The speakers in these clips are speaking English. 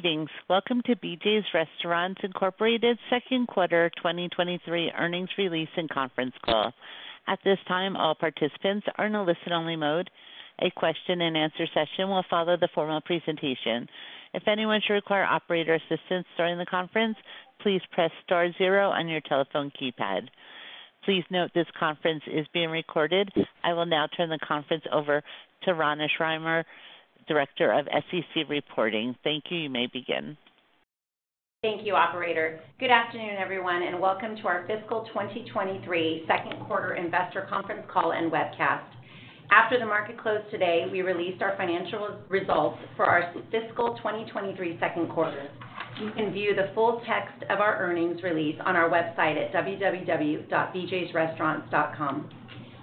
Greetings. Welcome to BJ's Restaurants Incorporated Q2 2023 Earnings Release and Conference Call. At this time, all participants are in a listen-only mode. A question-and-answer session will follow the formal presentation. If anyone should require operator assistance during the conference, please press star zero on your telephone keypad. Please note this conference is being recorded. I will now turn the conference over to Rana Schirmer, Director of SEC Reporting. Thank you. You may begin. Thank you, operator. Good afternoon, everyone. Welcome to our fiscal 2023 Q2 investor conference call and webcast. After the market closed today, we released our financial results for our fiscal 2023 Q2. You can view the full text of our earnings release on our website at www.bjsrestaurants.com.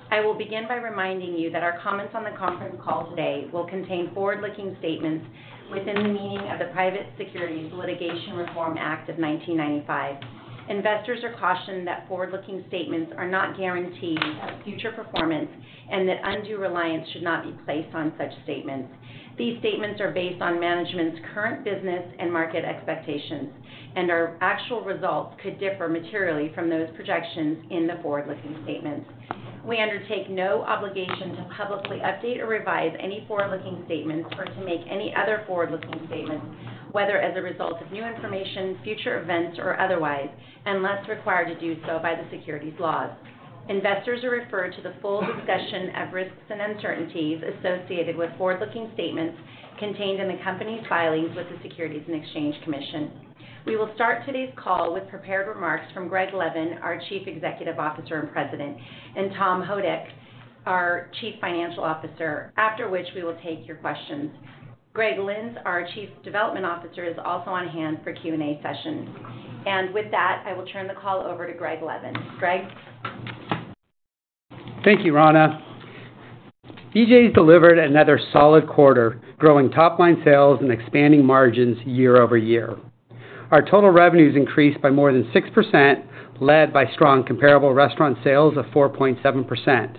I will begin by reminding you that our comments on the conference call today will contain forward-looking statements within the meaning of the Private Securities Litigation Reform Act of 1995. Investors are cautioned that forward-looking statements are not guarantees of future performance and that undue reliance should not be placed on such statements. These statements are based on management's current business and market expectations. Our actual results could differ materially from those projections in the forward-looking statements. We undertake no obligation to publicly update or revise any forward-looking statements or to make any other forward-looking statements, whether as a result of new information, future events, or otherwise, unless required to do so by the securities laws. Investors are referred to the full discussion of risks and uncertainties associated with forward-looking statements contained in the company's filings with the Securities and Exchange Commission. We will start today's call with prepared remarks from Greg Levin, our Chief Executive Officer and President, and Tom Houdek, our Chief Financial Officer, after which we will take your questions. Greg Lynde, our Chief Development Officer, is also on hand for Q&A session. With that, I will turn the call over to Greg Levin. Greg? Thank you, Rana. BJ's delivered another solid quarter, growing top-line sales and expanding margins year-over-year. Our total revenues increased by more than 6%, led by strong comparable restaurant sales of 4.7%.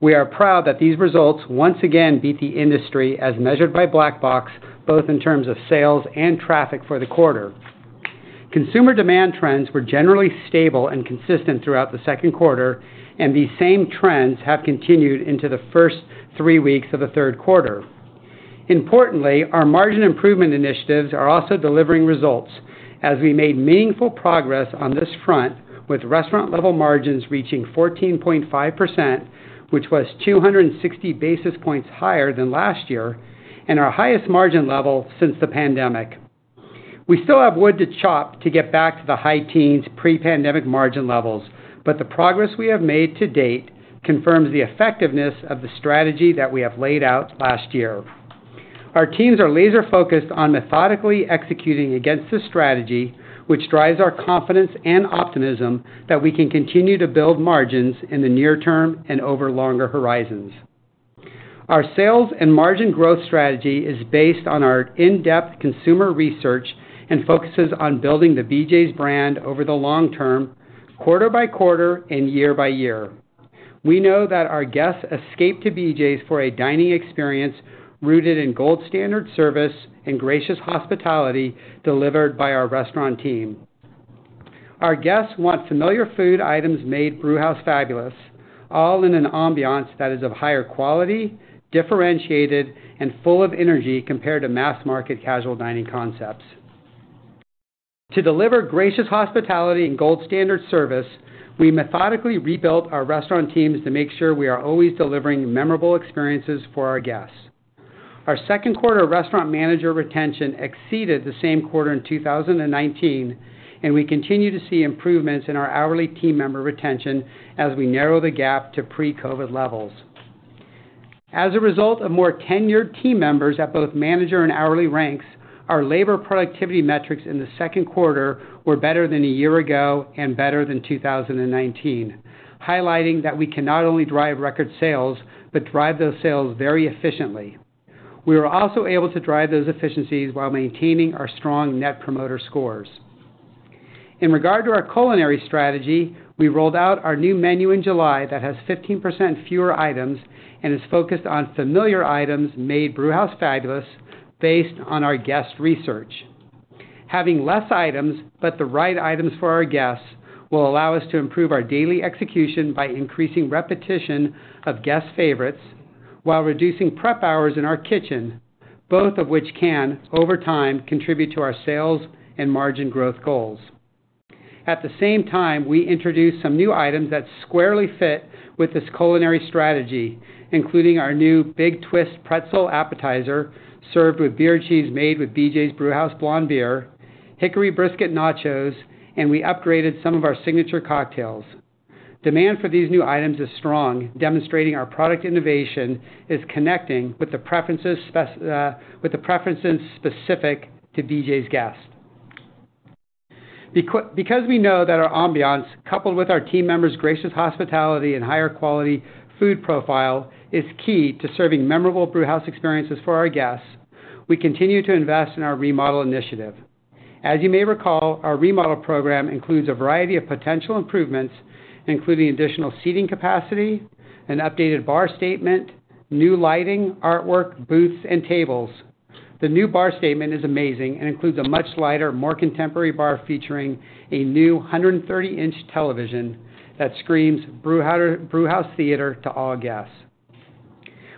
We are proud that these results once again beat the industry as measured by Black Box, both in terms of sales and traffic for the quarter. Consumer demand trends were generally stable and consistent throughout the Q2, and these same trends have continued into the first three weeks of the Q3. Importantly, our margin improvement initiatives are also delivering results as we made meaningful progress on this front, with restaurant-level margins reaching 14.5%, which was 260 basis points higher than last year and our highest margin level since the pandemic. We still have wood to chop to get back to the high teens pre-pandemic margin levels, the progress we have made to date confirms the effectiveness of the strategy that we have laid out last year. Our teams are laser-focused on methodically executing against this strategy, which drives our confidence and optimism that we can continue to build margins in the near term and over longer horizons. Our sales and margin growth strategy is based on our in-depth consumer research and focuses on building the BJ's brand over the long term, quarter by quarter and year by year. We know that our guests escape to BJ's for a dining experience rooted in gold standard service and gracious hospitality delivered by our restaurant team. Our guests want familiar food items made Brewhouse fabulous, all in an ambiance that is of higher quality, differentiated, and full of energy compared to mass-market casual dining concepts. To deliver gracious hospitality and gold standard service, we methodically rebuilt our restaurant teams to make sure we are always delivering memorable experiences for our guests. Our Q2 restaurant manager retention exceeded the same quarter in 2019, and we continue to see improvements in our hourly team member retention as we narrow the gap to pre-COVID levels. As a result of more tenured team members at both manager and hourly ranks, our labor productivity metrics in the second quarter were better than a year ago and better than 2019, highlighting that we can not only drive record sales but drive those sales very efficiently. We were also able to drive those efficiencies while maintaining our strong net promoter scores. In regard to our culinary strategy, we rolled out our new menu in July that has 15% fewer items and is focused on familiar items made Brewhouse fabulous based on our guest research. Having less items, but the right items for our guests, will allow us to improve our daily execution by increasing repetition of guest favorites while reducing prep hours in our kitchen, both of which can, over time, contribute to our sales and margin growth goals. At the same time, we introduced some new items that squarely fit with this culinary strategy, including our new Big Twist pretzel appetizer, served with beer cheese made with BJ's Brewhouse Blonde beer, Hickory Brisket Nachos, and we upgraded some of our signature cocktails. Demand for these new items is strong, demonstrating our product innovation is connecting with the preferences specific to BJ's guests. Because we know that our ambiance, coupled with our team members' gracious hospitality and higher quality food profile, is key to serving memorable Brewhouse experiences for our guests, we continue to invest in our remodel initiative. As you may recall, our remodel program includes a variety of potential improvements, including additional seating capacity, an updated bar statement, new lighting, artwork, booths, and tables. The new bar statement is amazing and includes a much lighter, more contemporary bar, featuring a new 130-inch television that screams Brewhouse Theatre to all guests.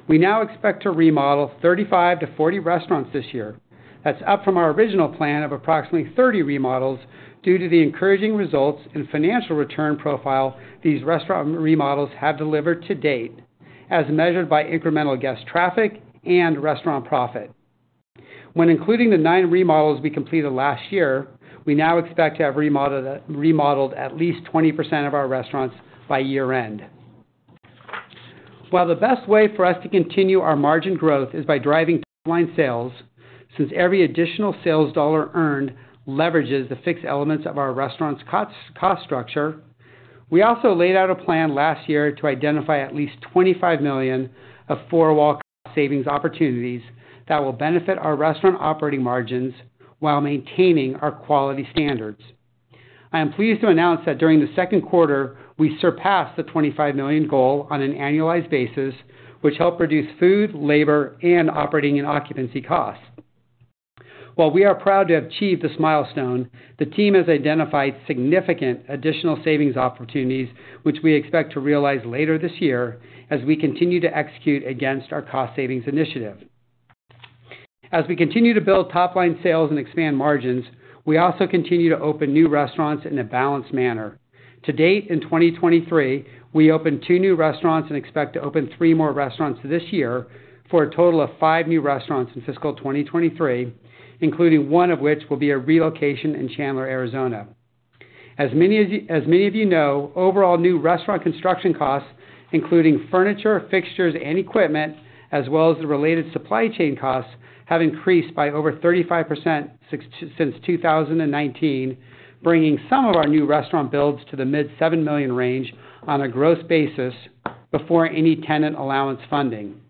We now expect to remodel 35-40 restaurants this year. That's up from our original plan of approximately 30 remodels due to the encouraging results and financial return profile these restaurant remodels have delivered to date, as measured by incremental guest traffic and restaurant profit. When including the 9 remodels we completed last year, we now expect to have remodeled at least 20% of our restaurants by year-end. While the best way for us to continue our margin growth is by driving top-line sales, since every additional sales dollar earned leverages the fixed elements of our restaurant's cost structure, we also laid out a plan last year to identify at least $25 million of four-wall cost savings opportunities that will benefit our restaurant operating margins while maintaining our quality standards. I am pleased to announce that during the Q2, we surpassed the $25 million goal on an annualized basis, which helped reduce food, labor, and operating and occupancy costs. While we are proud to have achieved this milestone, the team has identified significant additional savings opportunities, which we expect to realize later this year as we continue to execute against our cost savings initiative. As we continue to build top-line sales and expand margins, we also continue to open new restaurants in a balanced manner. To date, in 2023, we opened two new restaurants and expect to open three more restaurants this year, for a total of five new restaurants in fiscal 2023, including one of which will be a relocation in Chandler, Arizona. As many of you know, overall new restaurant construction costs, including furniture, fixtures, and equipment, as well as the related supply chain costs, have increased by over 35% since 2019, bringing some of our new restaurant builds to the mid $7 million range on a gross basis before any tenant allowance funding.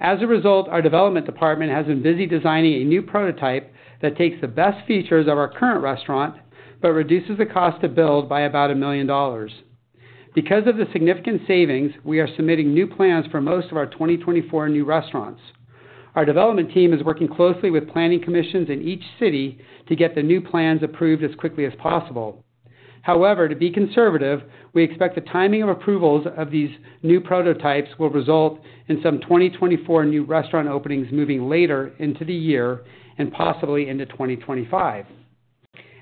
As a result, our development department has been busy designing a new prototype that takes the best features of our current restaurant, but reduces the cost to build by about $1 million. Because of the significant savings, we are submitting new plans for most of our 2024 new restaurants. Our development team is working closely with planning commissions in each city to get the new plans approved as quickly as possible. However, to be conservative, we expect the timing of approvals of these new prototypes will result in some 2024 new restaurant openings moving later into the year and possibly into 2025.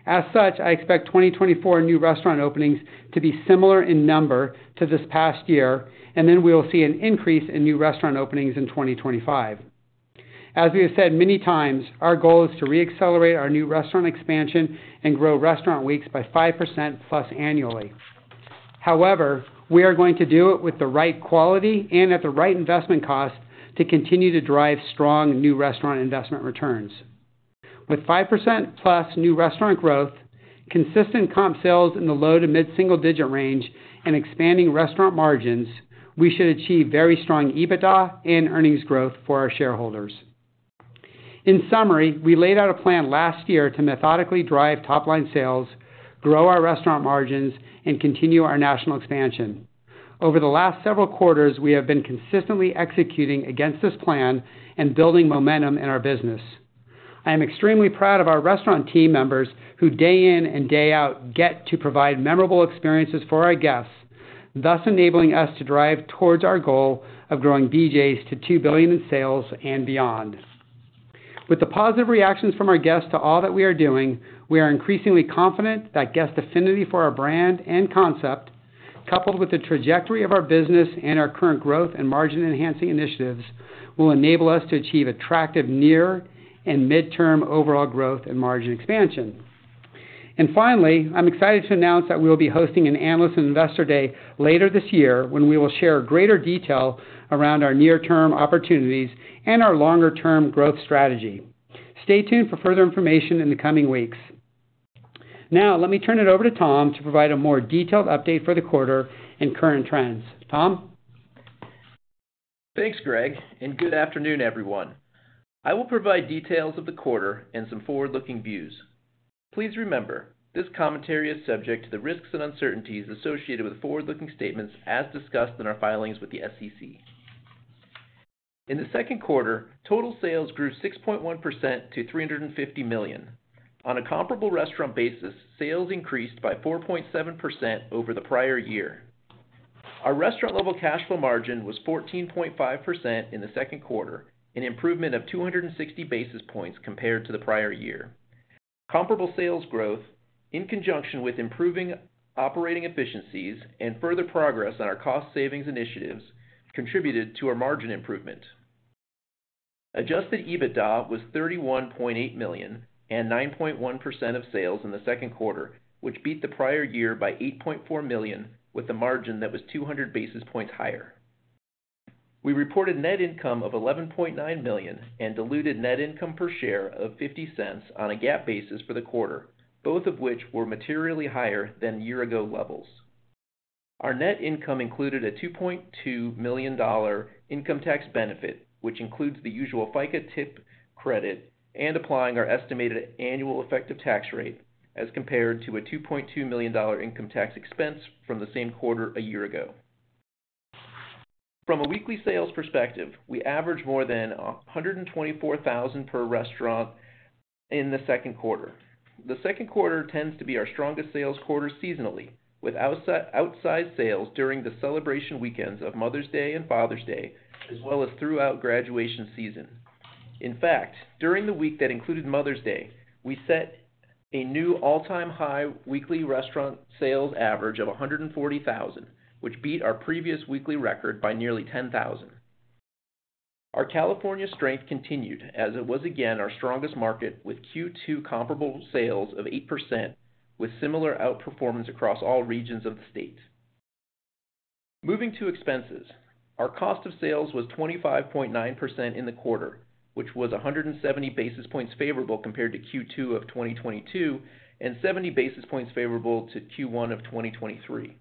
As such, I expect 2024 new restaurant openings to be similar in number to this past year, and then we will see an increase in new restaurant openings in 2025. As we have said many times, our goal is to re-accelerate our new restaurant expansion and grow restaurant weeks by 5%+ annually. However, we are going to do it with the right quality and at the right investment cost to continue to drive strong new restaurant investment returns. With 5%+ new restaurant growth, consistent comp sales in the low to mid-single digit range, and expanding restaurant margins, we should achieve very strong EBITDA and earnings growth for our shareholders. In summary, we laid out a plan last year to methodically drive top-line sales, grow our restaurant margins, and continue our national expansion. Over the last several quarters, we have been consistently executing against this plan and building momentum in our business. I am extremely proud of our restaurant team members, who day in and day out, get to provide memorable experiences for our guests, thus enabling us to drive towards our goal of growing BJ's to $2 billion in sales and beyond. With the positive reactions from our guests to all that we are doing, we are increasingly confident that guest affinity for our brand and concept, coupled with the trajectory of our business and our current growth and margin-enhancing initiatives, will enable us to achieve attractive near and midterm overall growth and margin expansion. Finally, I'm excited to announce that we will be hosting an Analyst and Investor Day later this year, when we will share greater detail around our near-term opportunities and our longer-term growth strategy. Stay tuned for further information in the coming weeks. Now, let me turn it over to Tom to provide a more detailed update for the quarter and current trends. Tom? Thanks, Greg, and good afternoon, everyone. I will provide details of the quarter and some forward-looking views. Please remember, this commentary is subject to the risks and uncertainties associated with forward-looking statements, as discussed in our filings with the SEC. In the Q2, total sales grew 6.1% to $350 million. On a comparable restaurant basis, sales increased by 4.7% over the prior year. Our restaurant-level cash flow margin was 14.5% in theQ2, an improvement of 260 basis points compared to the prior year. Comparable sales growth, in conjunction with improving operating efficiencies and further progress on our cost savings initiatives, contributed to our margin improvement. Adjusted EBITDA was $31.8 million and 9.1% of sales in the Q2, which beat the prior year by $8.4 million, with a margin that was 200 basis points higher. We reported net income of $11.9 million and diluted net income per share of $0.50 on a GAAP basis for the quarter, both of which were materially higher than year-ago levels. Our net income included a $2.2 million income tax benefit, which includes the usual FICA tip credit and applying our estimated annual effective tax rate as compared to a $2.2 million income tax expense from the same quarter a year ago. From a weekly sales perspective, we average more than 124,000 per restaurant in the Q2. The Q2 tends to be our strongest sales quarter seasonally, with outside sales during the celebration weekends of Mother's Day and Father's Day, as well as throughout graduation season. In fact, during the week that included Mother's Day, we set a new all-time high weekly restaurant sales average of $140,000, which beat our previous weekly record by nearly $10,000. Our California strength continued as it was again, our strongest market, with Q2 comparable sales of 8%, with similar outperformance across all regions of the state. Moving to expenses. Our cost of sales was 25.9% in the quarter, which was 170 basis points favorable compared to Q2 of 2022, and 70 basis points favorable to Q1 of 2023.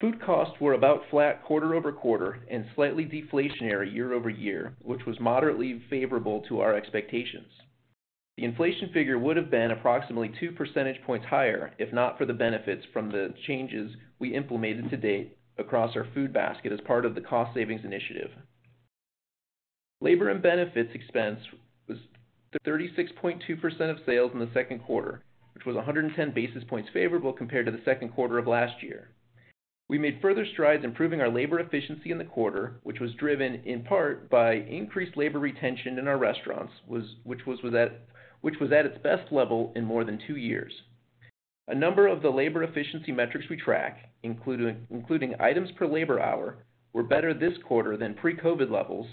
Food costs were about flat quarter-over-quarter and slightly deflationary year-over-year, which was moderately favorable to our expectations. The inflation figure would have been approximately 2 percentage points higher, if not for the benefits from the changes we implemented to date across our food basket as part of the cost savings initiative. Labor and benefits expense was 36.2% of sales in the second quarter, which was 110 basis points favorable compared to the second quarter of last year. We made further strides improving our labor efficiency in the quarter, which was driven in part by increased labor retention in our restaurants, which was at its best level in more than 2 years. A number of the labor efficiency metrics we track, including, including items per labor hour, were better this quarter than pre-COVID levels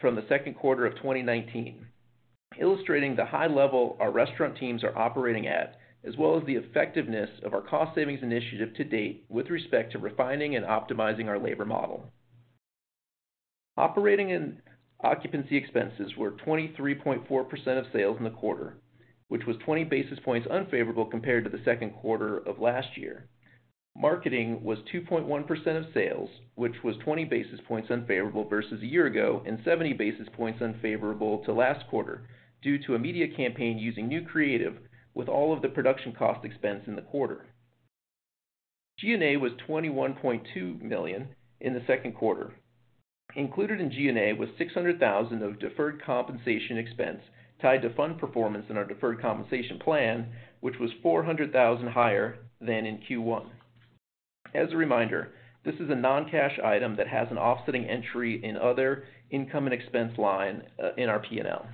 from the Q2 of 2019, illustrating the high level our restaurant teams are operating at, as well as the effectiveness of our cost savings initiative to date with respect to refining and optimizing our labor model. Operating and occupancy expenses were 23.4% of sales in the quarter, which was 20 basis points unfavorable compared to the Q2 of last year. Marketing was 2.1% of sales, which was 20 basis points unfavorable versus a year ago, and 70 basis points unfavorable to last quarter, due to a media campaign using new creative with all of the production cost expense in the quarter. G&A was $21.2 million in the second quarter. Included in G&A was $600,000 of deferred compensation expense tied to fund performance in our deferred compensation plan, which was $400,000 higher than in Q1. As a reminder, this is a non-cash item that has an offsetting entry in other income and expense line in our P&L.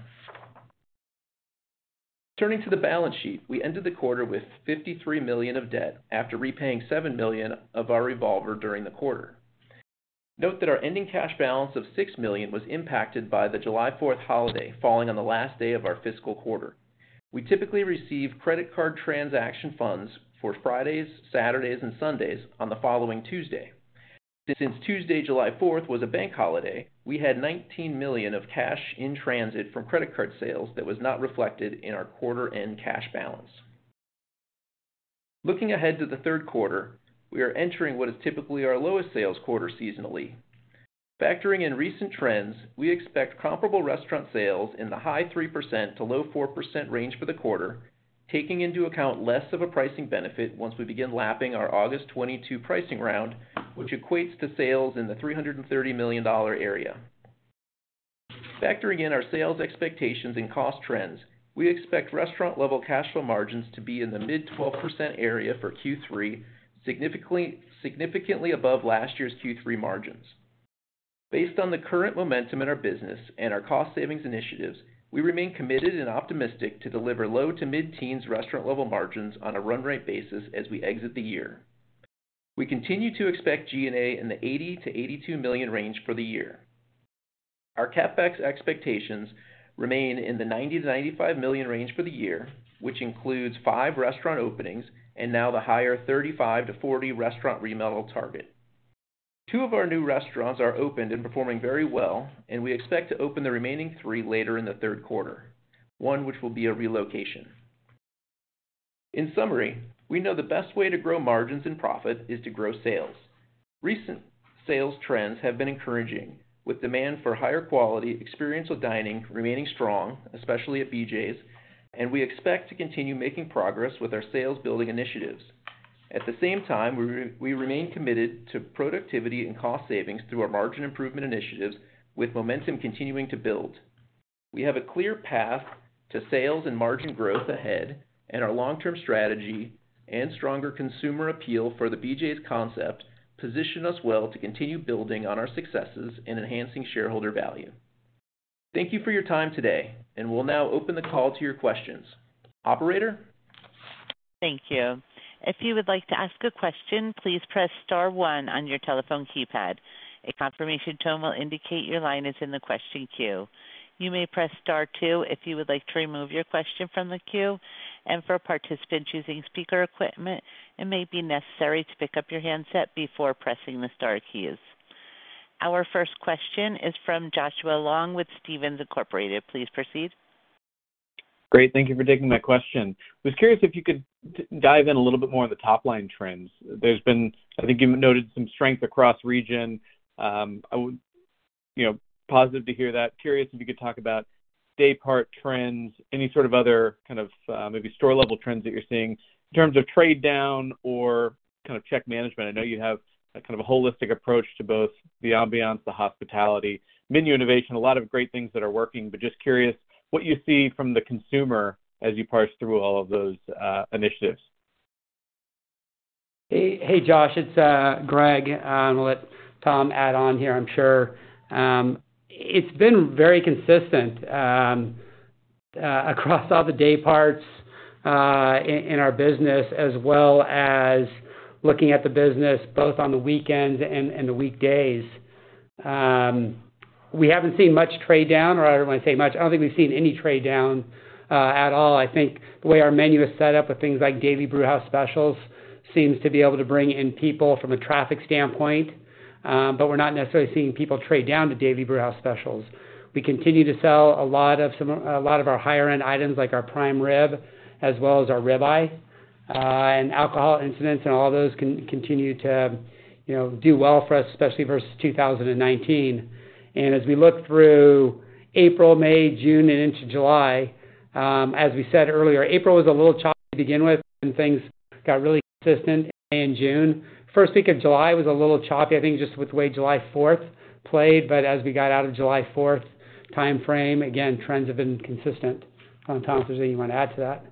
Turning to the balance sheet, we ended the quarter with $53 million of debt after repaying $7 million of our revolver during the quarter. Note that our ending cash balance of $6 million was impacted by the July fourth holiday, falling on the last day of our fiscal quarter. We typically receive credit card transaction funds for Fridays, Saturdays, and Sundays on the following Tuesday. Since Tuesday, July fourth, was a bank holiday, we had $19 million of cash in transit from credit card sales that was not reflected in our quarter-end cash balance. Looking ahead to the Q3, we are entering what is typically our lowest sales quarter seasonally. Factoring in recent trends, we expect comparable restaurant sales in the high 3%-low 4% range for the quarter, taking into account less of a pricing benefit once we begin lapping our August 2022 pricing round, which equates to sales in the $330 million area. Factoring in our sales expectations and cost trends, we expect restaurant-level cash flow margins to be in the mid-12% area for Q3, significantly, significantly above last year's Q3 margins. Based on the current momentum in our business and our cost savings initiatives, we remain committed and optimistic to deliver low to mid-teens restaurant level margins on a run-rate basis as we exit the year. We continue to expect G&A in the $80 million-$82 million range for the year. Our CapEx expectations remain in the $90 million-$95 million range for the year, which includes 5 restaurant openings and now the higher 35-40 restaurant remodel target. 2 of our new restaurants are opened and performing very well, and we expect to open the remaining 3 later in the third quarter, 1 which will be a relocation. In summary, we know the best way to grow margins and profit is to grow sales. Recent sales trends have been encouraging, with demand for higher quality, experiential dining remaining strong, especially at BJ's, and we expect to continue making progress with our sales building initiatives. At the same time, we remain committed to productivity and cost savings through our margin improvement initiatives, with momentum continuing to build. We have a clear path to sales and margin growth ahead, and our long-term strategy and stronger consumer appeal for the BJ's concept position us well to continue building on our successes and enhancing shareholder value. Thank you for your time today, and we'll now open the call to your questions. Operator? Thank you. If you would like to ask a question, please press star one on your telephone keypad. A confirmation tone will indicate your line is in the question queue. You may press Star two if you would like to remove your question from the queue, and for participants using speaker equipment, it may be necessary to pick up your handset before pressing the star keys. Our first question is from Joshua Long with Stephens Incorporated. Please proceed. Great. Thank you for taking my question. Was curious if you could dive in a little bit more on the top-line trends. There's been, I think you noted some strength across region. I would, you know, positive to hear that. Curious if you could talk about day part trends, any sort of other kind of, maybe store-level trends that you're seeing in terms of trade down or kind of check management. I know you have a kind of a holistic approach to both the ambiance, the hospitality, menu innovation, a lot of great things that are working, but just curious what you see from the consumer as you parse through all of those initiatives. Hey, hey, Joshua Long, it's Greg Levin. I'll let Tom Houdek add on here I'm sure. It's been very consistent across all the day parts in our business, as well as looking at the business both on the weekends and the weekdays. We haven't seen much trade down, or I don't want to say much. I don't think we've seen any trade down at all. I think the way our menu is set up with things like Daily Brewhouse Specials seems to be able to bring in people from a traffic standpoint, but we're not necessarily seeing people trade down to Daily Brewhouse Specials. We continue to sell a lot of a lot of our higher-end items, like our prime rib, as well as our rib eye, and alcohol incidents, and all those continue to, you know, do well for us, especially versus 2019. As we look through April, May, June, and into July, as we said earlier, April was a little choppy to begin with, and things got really consistent in May and June. First week of July was a little choppy, I think, just with the way July Fourth played, but as we got out of July Fourth timeframe, again, trends have been consistent. Tom, is there anything you want to add to that?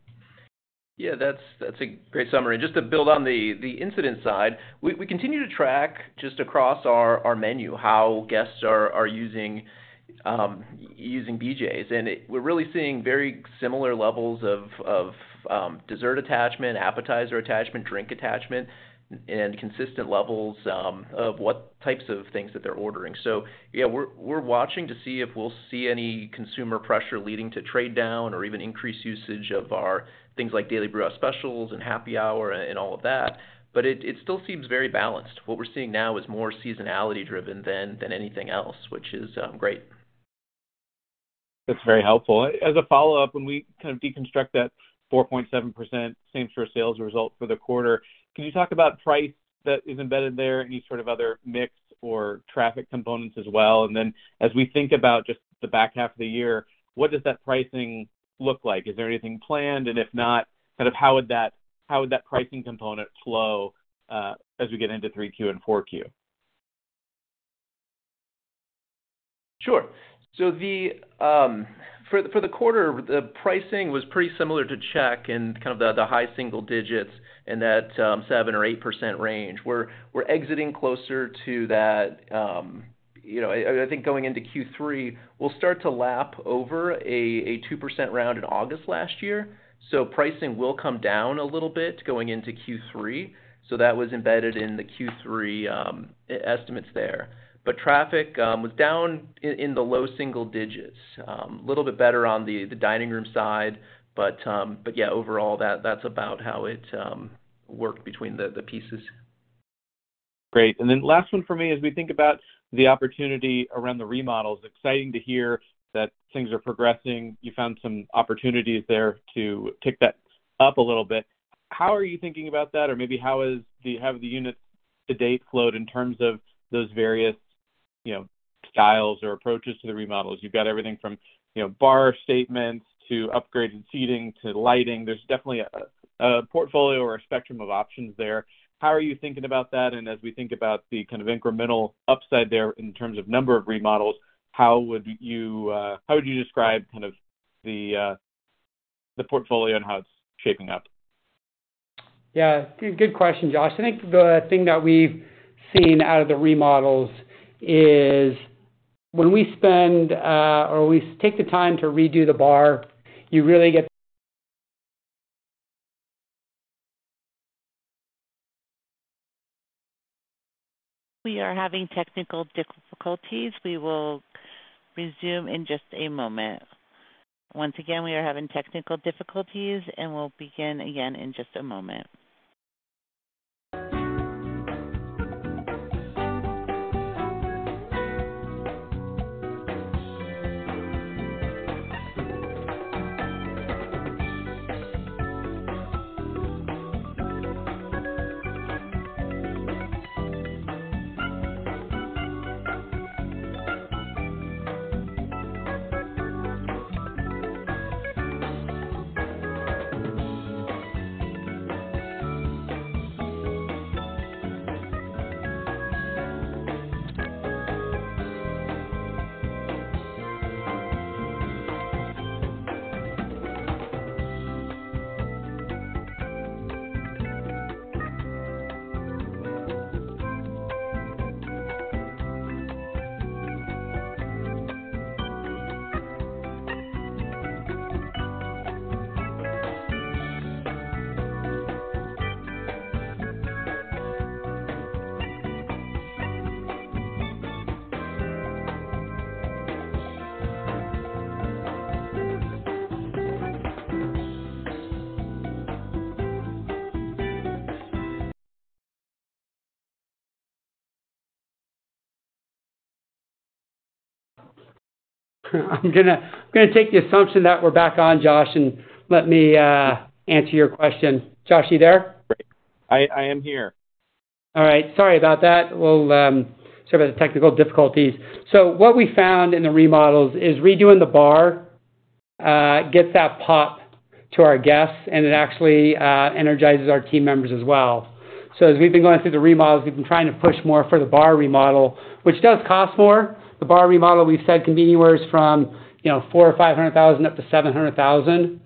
Yeah, that's, that's a great summary. Just to build on the, the incident side, we, we continue to track just across our, our menu, how guests are, are using, using BJ's. We're really seeing very similar levels of, of, dessert attachment, appetizer attachment, drink attachment, and consistent levels, of what types of things that they're ordering. Yeah, we're, we're watching to see if we'll see any consumer pressure leading to trade down or even increased usage of our things like Daily Brewhouse Specials and Happy Hour and all of that, it, it still seems very balanced. What we're seeing now is more seasonality driven than, than anything else, which is, great. That's very helpful. As a follow-up, when we kind of deconstruct that 4.7% same-store sales result for the quarter, can you talk about price that is embedded there, any sort of other mix or traffic components as well? Then, as we think about just the back half of the year, what does that pricing look like? Is there anything planned, and if not, kind of how would that, how would that pricing component flow, as we get into 3Q and 4Q? Sure. The, for the, for the quarter, the pricing was pretty similar to check and kind of the high single digits in that 7%-8% range. We're exiting closer to that, you know. I think going into Q3, we'll start to lap over a 2% round in August last year. Pricing will come down a little bit going into Q3. That was embedded in the Q3 estimates there. Traffic was down in the low single digits. A little bit better on the dining room side. Yeah, overall, that's about how it worked between the pieces. Great. Then last one for me, as we think about the opportunity around the remodels, exciting to hear that things are progressing. You found some opportunities there to kick that up a little bit. How are you thinking about that? Maybe how is have the units to date flowed in terms of those various, you know, styles or approaches to the remodels? You've got everything from, you know, bar statements to upgraded seating to lighting. There's definitely a, a portfolio or a spectrum of options there. How are you thinking about that? As we think about the kind of incremental upside there in terms of number of remodels, how would you describe kind of the portfolio and how it's shaping up? Yeah, good question, Josh. I think the thing that we've seen out of the remodels is when we spend, or we take the time to redo the bar, you really get- We are having technical difficulties. We will resume in just a moment. Once again, we are having technical difficulties, and we'll begin again in just a moment. ... I'm gonna, I'm gonna take the assumption that we're back on, Josh, and let me answer your question. Josh, are you there? Great. I, I am here. All right. Sorry about that. We'll sort of the technical difficulties. What we found in the remodels is redoing the bar gets that pop to our guests, and it actually energizes our team members as well. As we've been going through the remodels, we've been trying to push more for the bar remodel, which does cost more. The bar remodel, we've said, can be anywhere from, you know, $400,000-$500,000 up to $700,000,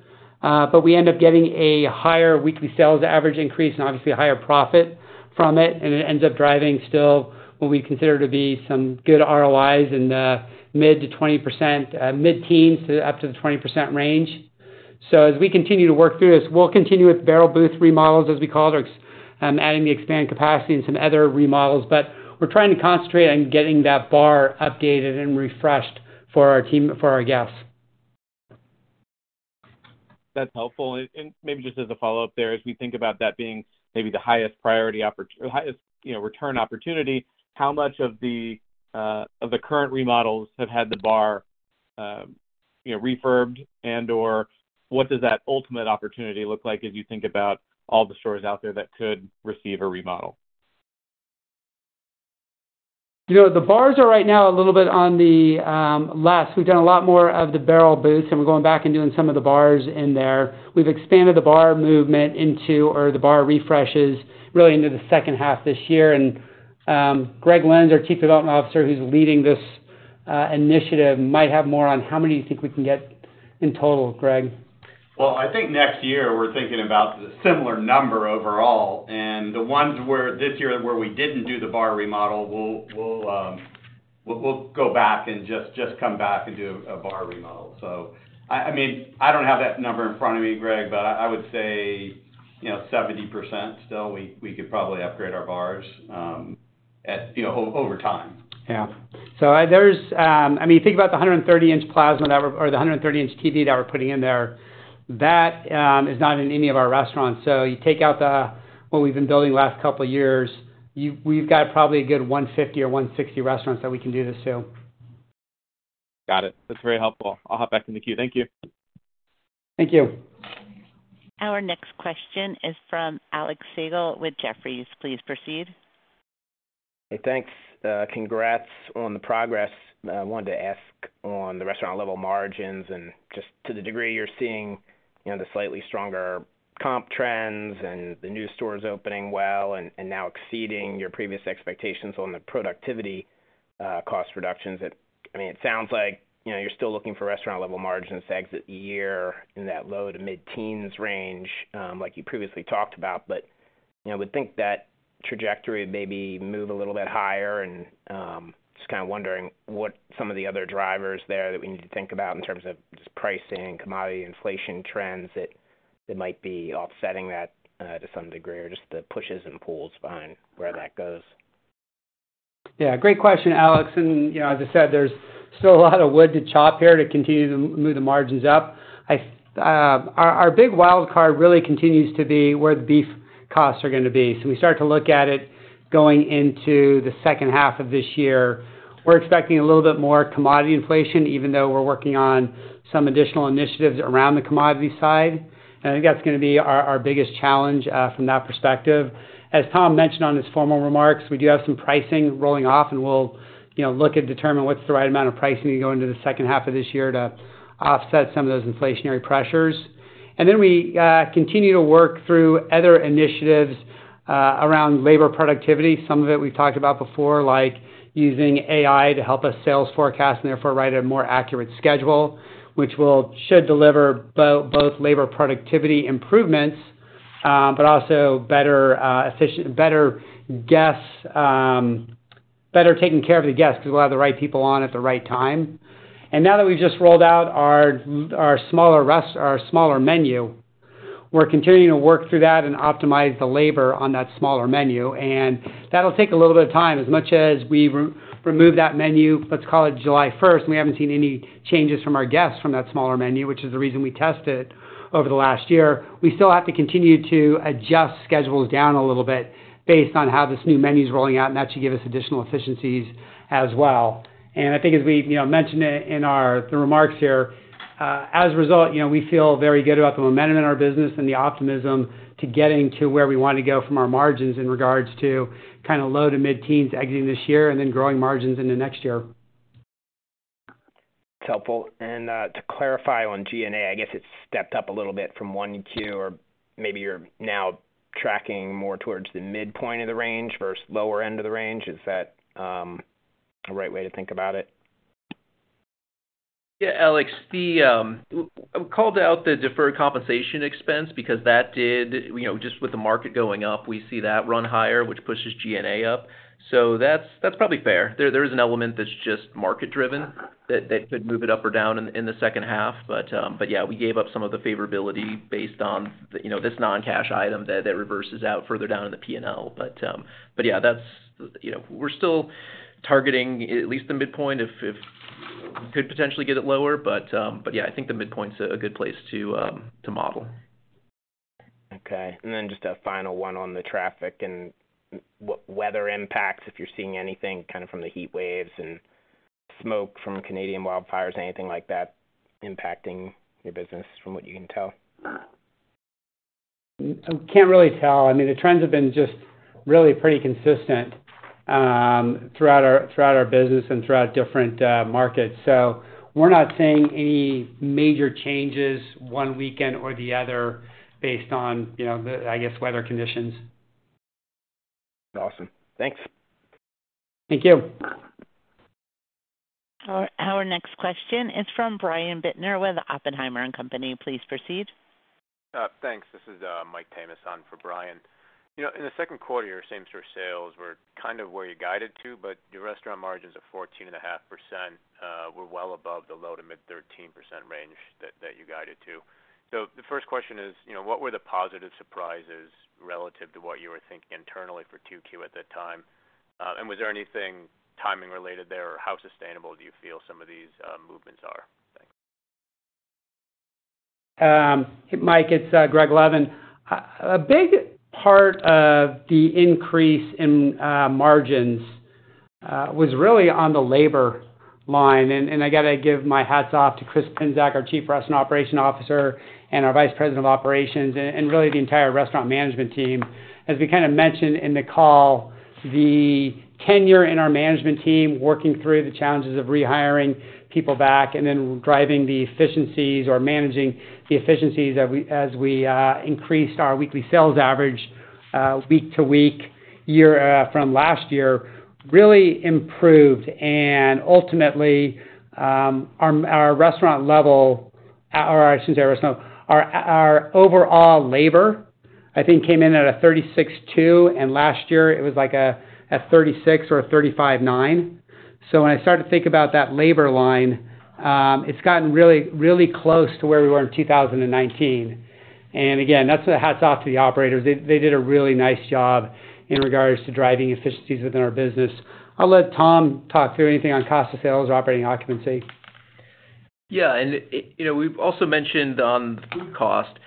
but we end up getting a higher weekly sales average increase and obviously a higher profit from it, and it ends up driving still what we consider to be some good ROIs in the mid- to 20%, mid-teens to up to the 20% range. As we continue to work through this, we'll continue with bar and booth remodels, as we call it, adding the expanded capacity and some other remodels. We're trying to concentrate on getting that bar updated and refreshed for our team, for our guests. That's helpful. Maybe just as a follow-up there, as we think about that being maybe the highest priority or highest, you know, return opportunity, how much of the of the current remodels have had the bar, you know, refurbed? Or what does that ultimate opportunity look like as you think about all the stores out there that could receive a remodel? You know, the bars are right now a little bit on the last. We've done a lot more of the bar and booth, and we're going back and doing some of the bars in there. We've expanded the bar movement into or the bar refreshes really into the second half this year. Greg Lynds, Chief Development Officer, who's leading this initiative, might have more on how many you think we can get in total, Greg? Well, I think next year we're thinking about the similar number overall, and the ones where this year, where we didn't do the bar remodel, we'll, we'll, we'll, we'll go back and just, just come back and do a bar remodel. I, I mean, I don't have that number in front of me, Greg, but I, I would say, you know, 70% still, we, we could probably upgrade our bars, at, you know, over time. Yeah. There's, I mean, think about the 130-inch plasma that we're-- or the 130-inch TV that we're putting in there. That is not in any of our restaurants. You take out the, what we've been building the last couple of years, you've-- we've got probably a good 150 or 160 restaurants that we can do this to. Got it. That's very helpful. I'll hop back in the queue. Thank you. Thank you. Our next question is from Alex Slagle with Jefferies. Please proceed. Hey, thanks. Congrats on the progress. I wanted to ask on the restaurant-level margins and just to the degree you're seeing, you know, the slightly stronger comp trends and the new stores opening well and, and now exceeding your previous expectations on the productivity, cost reductions. It, I mean, it sounds like, you know, you're still looking for restaurant-level margins to exit the year in that low to mid-teens range, like you previously talked about. You know, would think that trajectory maybe move a little bit higher and, just kind of wondering what some of the other drivers there that we need to think about in terms of just pricing, commodity inflation trends, that they might be offsetting that, to some degree, or just the pushes and pulls behind where that goes. Yeah, great question, Alex. You know, as I said, there's still a lot of wood to chop here to continue to move the margins up. Our, our big wild card really continues to be where the beef costs are gonna be. We start to look at it going into the second half of this year. We're expecting a little bit more commodity inflation, even though we're working on some additional initiatives around the commodity side. I think that's gonna be our, our biggest challenge from that perspective. As Tom mentioned on his formal remarks, we do have some pricing rolling off, and we'll, you know, look and determine what's the right amount of pricing to go into the second half of this year to offset some of those inflationary pressures. Then we continue to work through other initiatives around labor productivity. Some of it we've talked about before, like using AI to help us sales forecast and therefore write a more accurate schedule, which should deliver both labor productivity improvements, but also better, efficient, better guests, better taking care of the guests because we'll have the right people on at the right time. Now that we've just rolled out our smaller menu, we're continuing to work through that and optimize the labor on that smaller menu, and that'll take a little bit of time. As much as we removed that menu, let's call it July 1st, we haven't seen any changes from our guests from that smaller menu, which is the reason we tested over the last year. We still have to continue to adjust schedules down a little bit based on how this new menu is rolling out, and that should give us additional efficiencies as well. I think as we, you know, mentioned it in our, the remarks here, as a result, you know, we feel very good about the momentum in our business and the optimism to getting to where we want to go from our margins in regards to kind of low to mid-teens exiting this year and then growing margins into next year. It's helpful. To clarify on G&A, I guess it's stepped up a little bit from Q1, or maybe you're now tracking more towards the midpoint of the range versus lower end of the range. Is that the right way to think about it? Yeah, Alex, we called out the deferred compensation expense because that did, you know, just with the market going up, we see that run higher, which pushes G&A up. That's, that's probably fair. There, there is an element that's just market driven, that, that could move it up or down in, in the second half. Yeah, we gave up some of the favorability based on, you know, this non-cash item that, that reverses out further down in the P&L. Yeah, that's, you know, we're still targeting at least the midpoint, if, if could potentially get it lower. Yeah, I think the midpoint's a, a good place to, to model. Okay, then just a final one on the traffic and weather impacts, if you're seeing anything kind of from the heat waves and smoke from Canadian wildfires, anything like that impacting your business from what you can tell? I can't really tell. I mean, the trends have been just really pretty consistent, throughout our, throughout our business and throughout different, markets. We're not seeing any major changes one weekend or the other based on, you know, the, I guess, weather conditions. Awesome. Thanks. Thank you. Our, our next question is from Brian Bittner with Oppenheimer and Company. Please proceed. Thanks. This is Michael Tamas on for Brian. You know, in the Q2, your same-store sales were kind of where you guided to, your restaurant margins of 14.5% were well above the low to mid 13% range that, that you guided to. The first question is, you know, what were the positive surprises relative to what you were thinking internally for Q2 at that time? Was there anything timing related there, or how sustainable do you feel some of these movements are? Thanks. Mike, it's Greg Levin. A big part of the increase in margins was really on the labor line, and I got to give my hats off to Chris Pinsak, our Chief Restaurant Operations Officer, and our Vice President of Operations, and really the entire restaurant management team. As we kind of mentioned in the call, the tenure in our management team, working through the challenges of rehiring people back and then driving the efficiencies or managing the efficiencies as we, as we increased our weekly sales average week to week, year from last year, really improved. Ultimately, our, our restaurant level, or our-- since our restaurant, our, our overall labor, I think, came in at a 36.2, and last year it was like a 36 or a 35.9. When I start to think about that labor line, it's gotten really, really close to where we were in 2019. Again, that's a hats off to the operators. They, they did a really nice job in regards to driving efficiencies within our business. I'll let Tom talk through anything on cost of sales or operating occupancy. Yeah, you know, we've also mentioned on the food cost,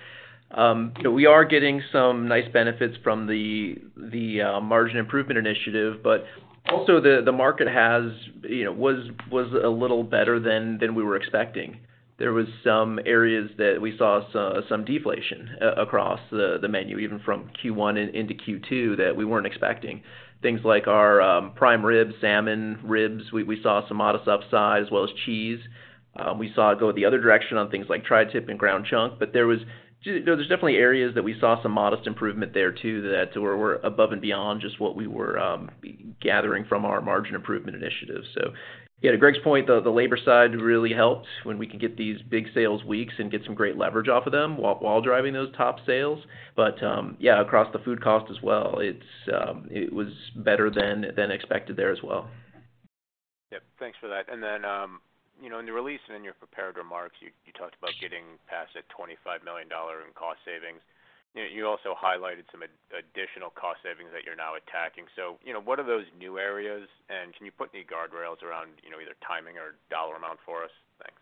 you know, we are getting some nice benefits from the, the margin improvement initiative, but also the, the market has, you know, was, was a little better than, than we were expecting. There was some areas that we saw some deflation across the, the menu, even from Q1 into Q2, that we weren't expecting. Things like our, prime rib, salmon, ribs, we, we saw some modest upside, as well as cheese. We saw it go the other direction on things like tri-tip and ground chuck, but there was there was definitely areas that we saw some modest improvement there, too, that were, were above and beyond just what we were, gathering from our margin improvement initiatives. Yeah, to Greg's point, the labor side really helped when we could get these big sales weeks and get some great leverage off of them while driving those top sales. Yeah, across the food cost as well, it's it was better than expected there as well. Yep. Thanks for that. You know, in the release, in your prepared remarks, you, you talked about getting past a $25 million in cost savings. You, you also highlighted some additional cost savings that you're now attacking. You know, what are those new areas, and can you put any guardrails around, you know, either timing or dollar amount for us? Thanks.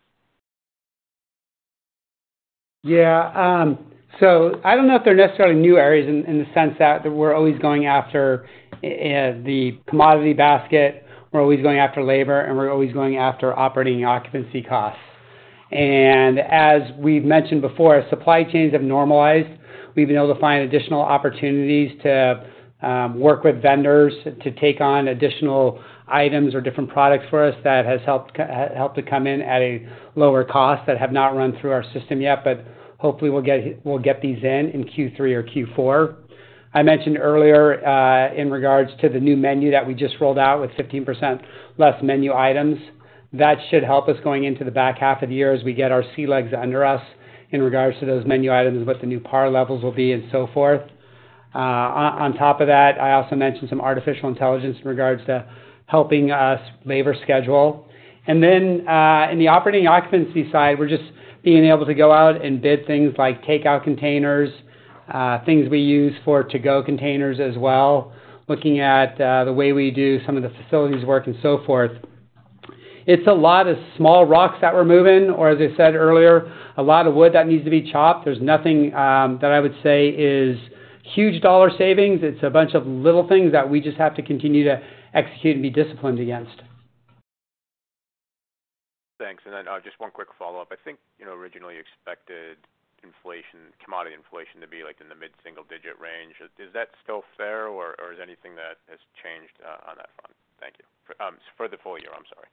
Yeah, I don't know if they're necessarily new areas in, in the sense that we're always going after the commodity basket, we're always going after labor, and we're always going after operating occupancy costs. As we've mentioned before, supply chains have normalized. We've been able to find additional opportunities to work with vendors to take on additional items or different products for us. That has helped to come in at a lower cost that have not run through our system yet, hopefully we'll get, we'll get these in, in Q3 or Q4. I mentioned earlier, in regards to the new menu that we just rolled out with 15% less menu items, that should help us going into the back half of the year as we get our sea legs under us in regards to those menu items, what the new par levels will be, and so forth. On top of that, I also mentioned some artificial intelligence in regards to helping us labor schedule. Then, in the operating occupancy side, we're just being able to go out and bid things like takeout containers, things we use for to-go containers as well, looking at the way we do some of the facilities work and so forth. It's a lot of small rocks that we're moving, or as I said earlier, a lot of wood that needs to be chopped. There's nothing that I would say is huge dollar savings. It's a bunch of little things that we just have to continue to execute and be disciplined against. Thanks. Then, just one quick follow-up. I think, you know, originally expected inflation, commodity inflation to be like in the mid-single-digit range. Is that still fair, or, or is there anything that has changed on that front? Thank you. For the full year, I'm sorry.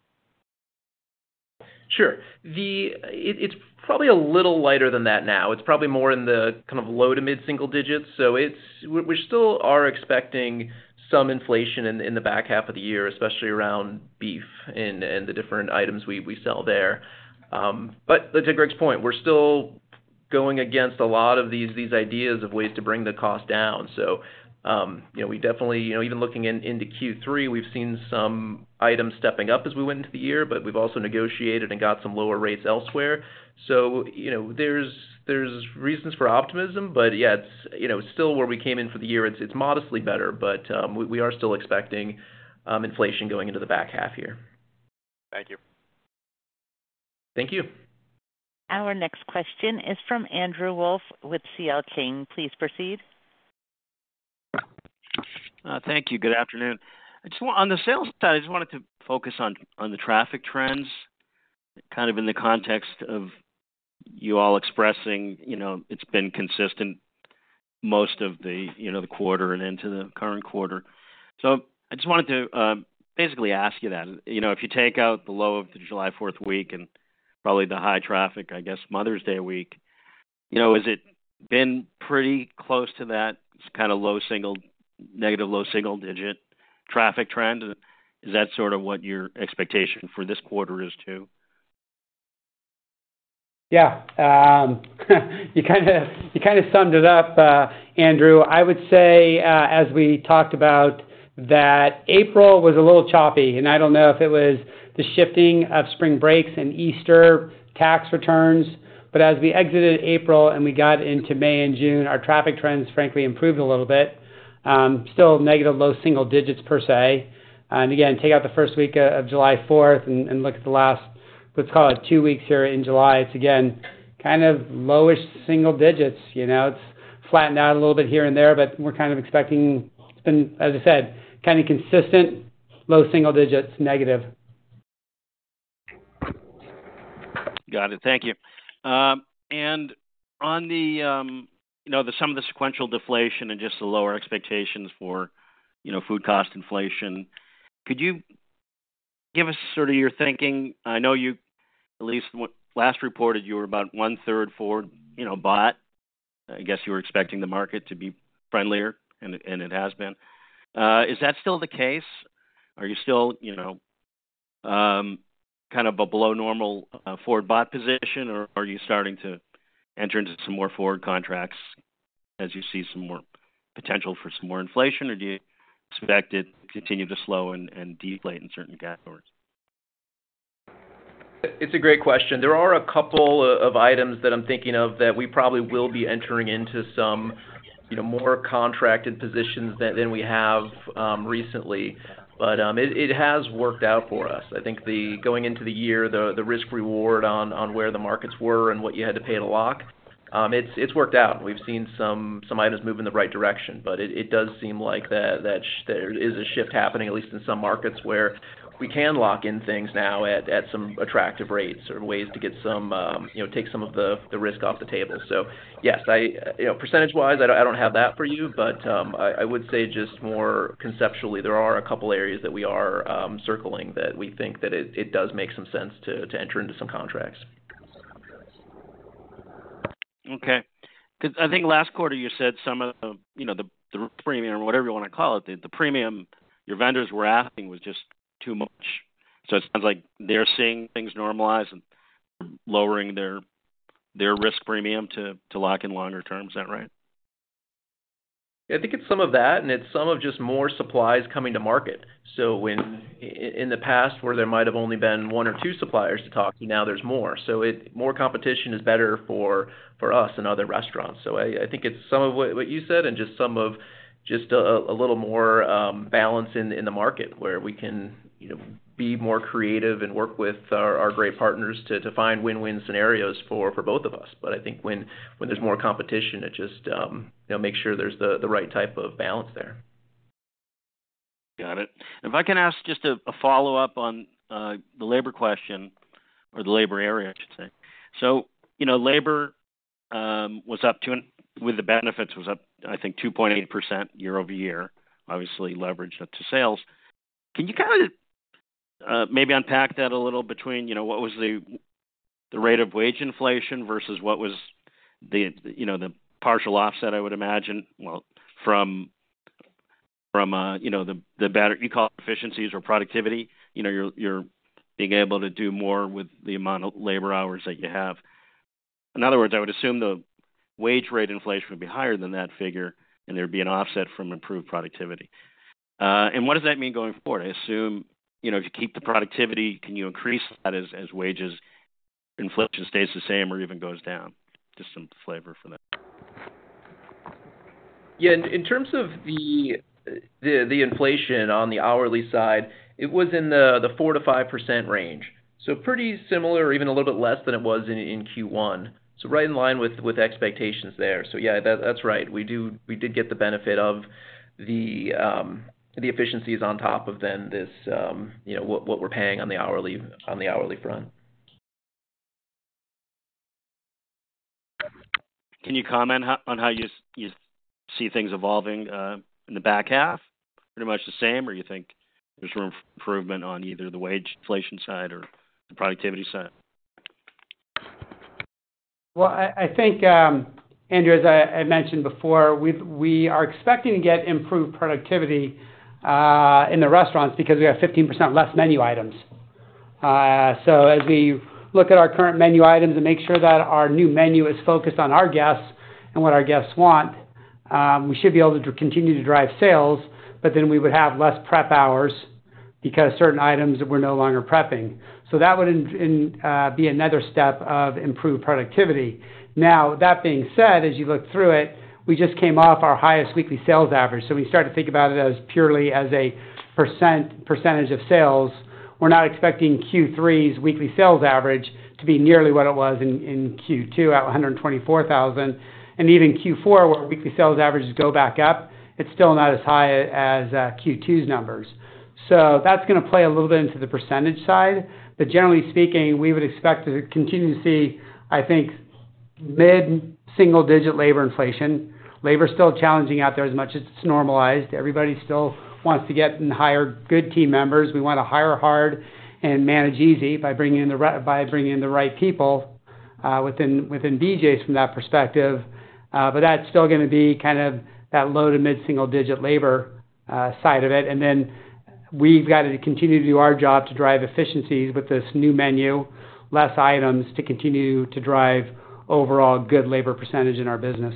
Sure. It's probably a little lighter than that now. It's probably more in the kind of low to mid single digits, so it's we still are expecting some inflation in the back half of the year, especially around beef and the different items we sell there. To Greg's point, we're still going against a lot of these ideas of ways to bring the cost down. You know, we definitely, you know, even looking into Q3, we've seen some items stepping up as we went into the year, but we've also negotiated and got some lower rates elsewhere. You know, there's reasons for optimism, but yeah, it's, you know, still where we came in for the year, it's modestly better, but we are still expecting inflation going into the back half year. Thank you. Thank you. Our next question is from Andrew Wolf with CL King. Please proceed. Thank you. Good afternoon. On the sales side, I just wanted to focus on, on the traffic trends, kind of in the context of you all expressing, you know, it's been consistent most of the, you know, the quarter and into the current quarter. I just wanted to basically ask you that, you know, if you take out the low of the July 4th week and probably the high traffic, I guess, Mother's Day week, you know, has it been pretty close to that kind of low single, negative, low single-digit traffic trend? Is that sort of what your expectation for this quarter is, too? Yeah. You kinda summed it up, Andrew. I would say, as we talked about, that April was a little choppy. I don't know if it was the shifting of spring breaks and Easter tax returns, but as we exited April and we got into May and June, our traffic trends frankly improved a little bit. Still negative, low single digits per se. Again, take out the first week of July fourth and look at the last, let's call it two weeks here in July. It's again, kind of lowish single digits. You know, it's flattened out a little bit here and there, but we're kind of expecting, it's been, as I said, kinda consistent, low single digits, negative. Got it. Thank you. On the, you know, the some of the sequential deflation and just the lower expectations for, you know, food cost inflation, could you give us sort of your thinking? I know you at least last reported you were about one-third forward, you know, bought. I guess you were expecting the market to be friendlier, and it, and it has been. Is that still the case? Are you still, you know, kind of a below normal forward bought position, or are you starting to enter into some more forward contracts as you see some more potential for some more inflation? Or do you expect it to continue to slow and, and deflate in certain categories? It's a great question. There are a couple of items that I'm thinking of that we probably will be entering into some, you know, more contracted positions than, than we have recently. It, it has worked out for us. I think the going into the year, the, the risk reward on, on where the markets were and what you had to pay to lock, it's, it's worked out. We've seen some, some items move in the right direction, but it, it does seem like that, that shift there is a shift happening, at least in some markets, where we can lock in things now at, at some attractive rates or ways to get some, you know, take some of the, the risk off the table. Yes, I, you know, percentage-wise, I, I don't have that for you, but I, I would say just more conceptually, there are a couple of areas that we are circling that we think that it, it does make some sense to, to enter into some contracts. Okay. Because I think last quarter you said some of the, you know, the, the premium or whatever you wanna call it, the, the premium your vendors were asking was just too much. It sounds like they're seeing things normalize and lowering their, their risk premium to, to lock in longer term. Is that right? I think it's some of that, and it's some of just more supplies coming to market. When, in the past, where there might have only been one or two suppliers to talk to, now there's more. More competition is better for, for us and other restaurants. I, I think it's some of what, what you said and just some of just, a little more balance in, in the market, where we can, you know, be more creative and work with our, our great partners to, to find win-win scenarios for, for both of us. I think when, when there's more competition, it just, you know, makes sure there's the, the right type of balance there. Got it. If I can ask just a, a follow-up on the labor question or the labor area, I should say. You know, labor was up to... With the benefits, was up, I think, 2.8% year-over-year, obviously leveraged up to sales. Can you kind of maybe unpack that a little between, you know, what was the, the rate of wage inflation versus what was the, you know, the partial offset, I would imagine? Well, from, from, you know, the, the better you call it, efficiencies or productivity. You know, you're, you're being able to do more with the amount of labor hours that you have. In other words, I would assume the wage rate inflation would be higher than that figure, and there'd be an offset from improved productivity. What does that mean going forward? I assume, you know, if you keep the productivity, can you increase that as, as wages inflation stays the same or even goes down? Just some flavor for that. Yeah, in terms of the inflation on the hourly side, it was in the 4%-5% range. Pretty similar or even a little bit less than it was in Q1. Right in line with expectations there. Yeah, that's right. We did get the benefit of the efficiencies on top of then this, you know, what we're paying on the hourly, on the hourly front. Can you comment on how you, you see things evolving in the back half? Pretty much the same, or you think there's room for improvement on either the wage inflation side or the productivity side? Well, I, I think, Andrew, as I, I mentioned before, we are expecting to get improved productivity in the restaurants because we have 15% less menu items. As we look at our current menu items and make sure that our new menu is focused on our guests and what our guests want, we should be able to continue to drive sales, but then we would have less prep hours because certain items we're no longer prepping. That would in, in, be another step of improved productivity. Now, that being said, as you look through it, we just came off our highest weekly sales average. We start to think about it as purely as a percentage of sales. We're not expecting Q3's weekly sales average to be nearly what it was in, in Q2, at 124,000, and even Q4, where weekly sales averages go back up, it's still not as high as Q2's numbers. That's gonna play a little bit into the percentage side. Generally speaking, we would expect to continue to see, I think, mid-single digit labor inflation. Labor is still challenging out there as much as it's normalized. Everybody still wants to get and hire good team members. We want to hire hard and manage easy by bringing in the right people, within, within BJ's from that perspective. That's still gonna be kind of that low to mid-single digit labor side of it. We've got to continue to do our job to drive efficiencies with this new menu, less items to continue to drive overall good labor percentage in our business.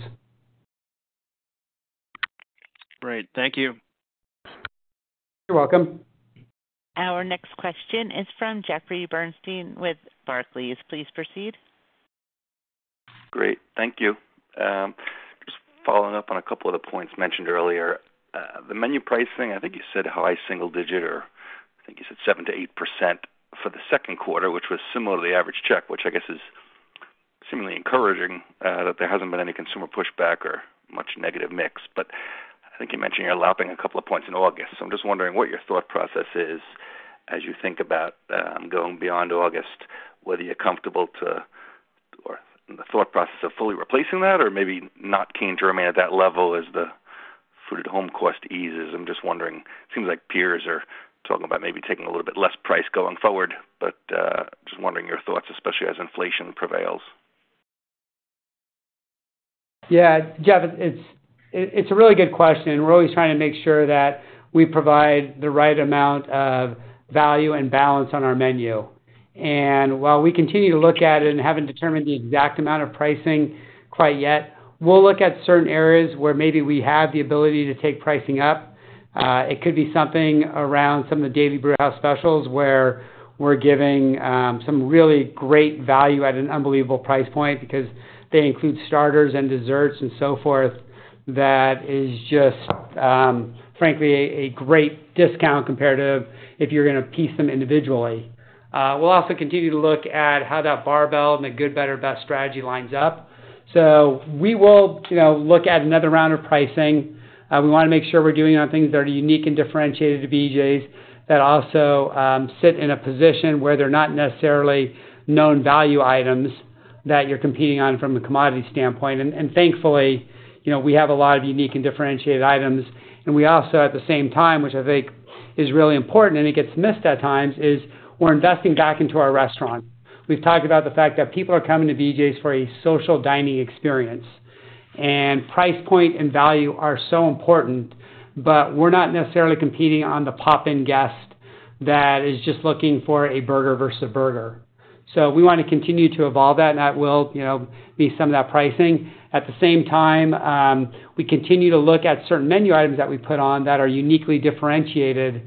Great. Thank you. You're welcome. Our next question is from Jeffrey Bernstein with Barclays. Please proceed. Great, thank you. Just following up on a couple of the points mentioned earlier. The menu pricing, I think you said high single digit, or I think you said 7%-8% for the Q2, which was similar to the average check, which I guess is seemingly encouraging, that there hasn't been any consumer pushback or much negative mix. I think you mentioned you're lapping a couple of points in August. I'm just wondering what your thought process is as you think about going beyond August, whether you're comfortable to, or the thought process of fully replacing that, or maybe not keen to remain at that level as the food at home cost eases. I'm just wondering, it seems like peers are talking about maybe taking a little bit less price going forward, but just wondering your thoughts, especially as inflation prevails. Yeah, Jeff, it's a really good question. We're always trying to make sure that we provide the right amount of value and balance on our menu. While we continue to look at it and haven't determined the exact amount of pricing quite yet, we'll look at certain areas where maybe we have the ability to take pricing up. It could be something around some of the Daily Brewhouse Specials, where we're giving some really great value at an unbelievable price point because they include starters and desserts and so forth. That is just, frankly, a great discount comparative if you're gonna piece them individually. We'll also continue to look at how that barbell and the good, better, best strategy lines up. We will, you know, look at another round of pricing. We want to make sure we're doing on things that are unique and differentiated to BJ's, that also sit in a position where they're not necessarily known value items that you're competing on from a commodity standpoint. Thankfully, you know, we have a lot of unique and differentiated items, and we also, at the same time, which I think is really important, and it gets missed at times, is we're investing back into our restaurant. We've talked about the fact that people are coming to BJ's for a social dining experience, and price point and value are so important, but we're not necessarily competing on the pop-in guest that is just looking for a burger versus a burger. We want to continue to evolve that, and that will, you know, be some of that pricing. At the same time, we continue to look at certain menu items that we put on that are uniquely differentiated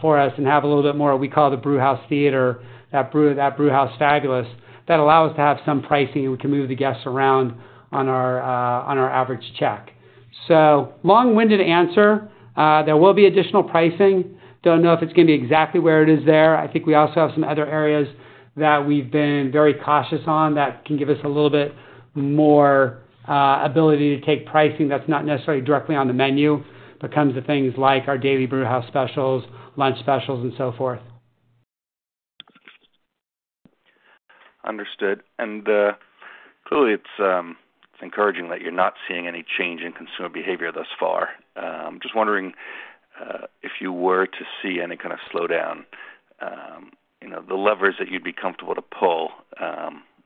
for us and have a little bit more, what we call the Brewhouse Theater, that brew, that Brewhouse fabulous, that allow us to have some pricing, and we can move the guests around on our on our average check. Long-winded answer, there will be additional pricing. Don't know if it's going to be exactly where it is there. I think we also have some other areas that we've been very cautious on that can give us a little bit more ability to take pricing that's not necessarily directly on the menu, but comes to things like our Daily Brewhouse Specials, lunch specials, and so forth. Understood. Clearly, it's, it's encouraging that you're not seeing any change in consumer behavior thus far. Just wondering, if you were to see any kind of slowdown, you know, the levers that you'd be comfortable to pull,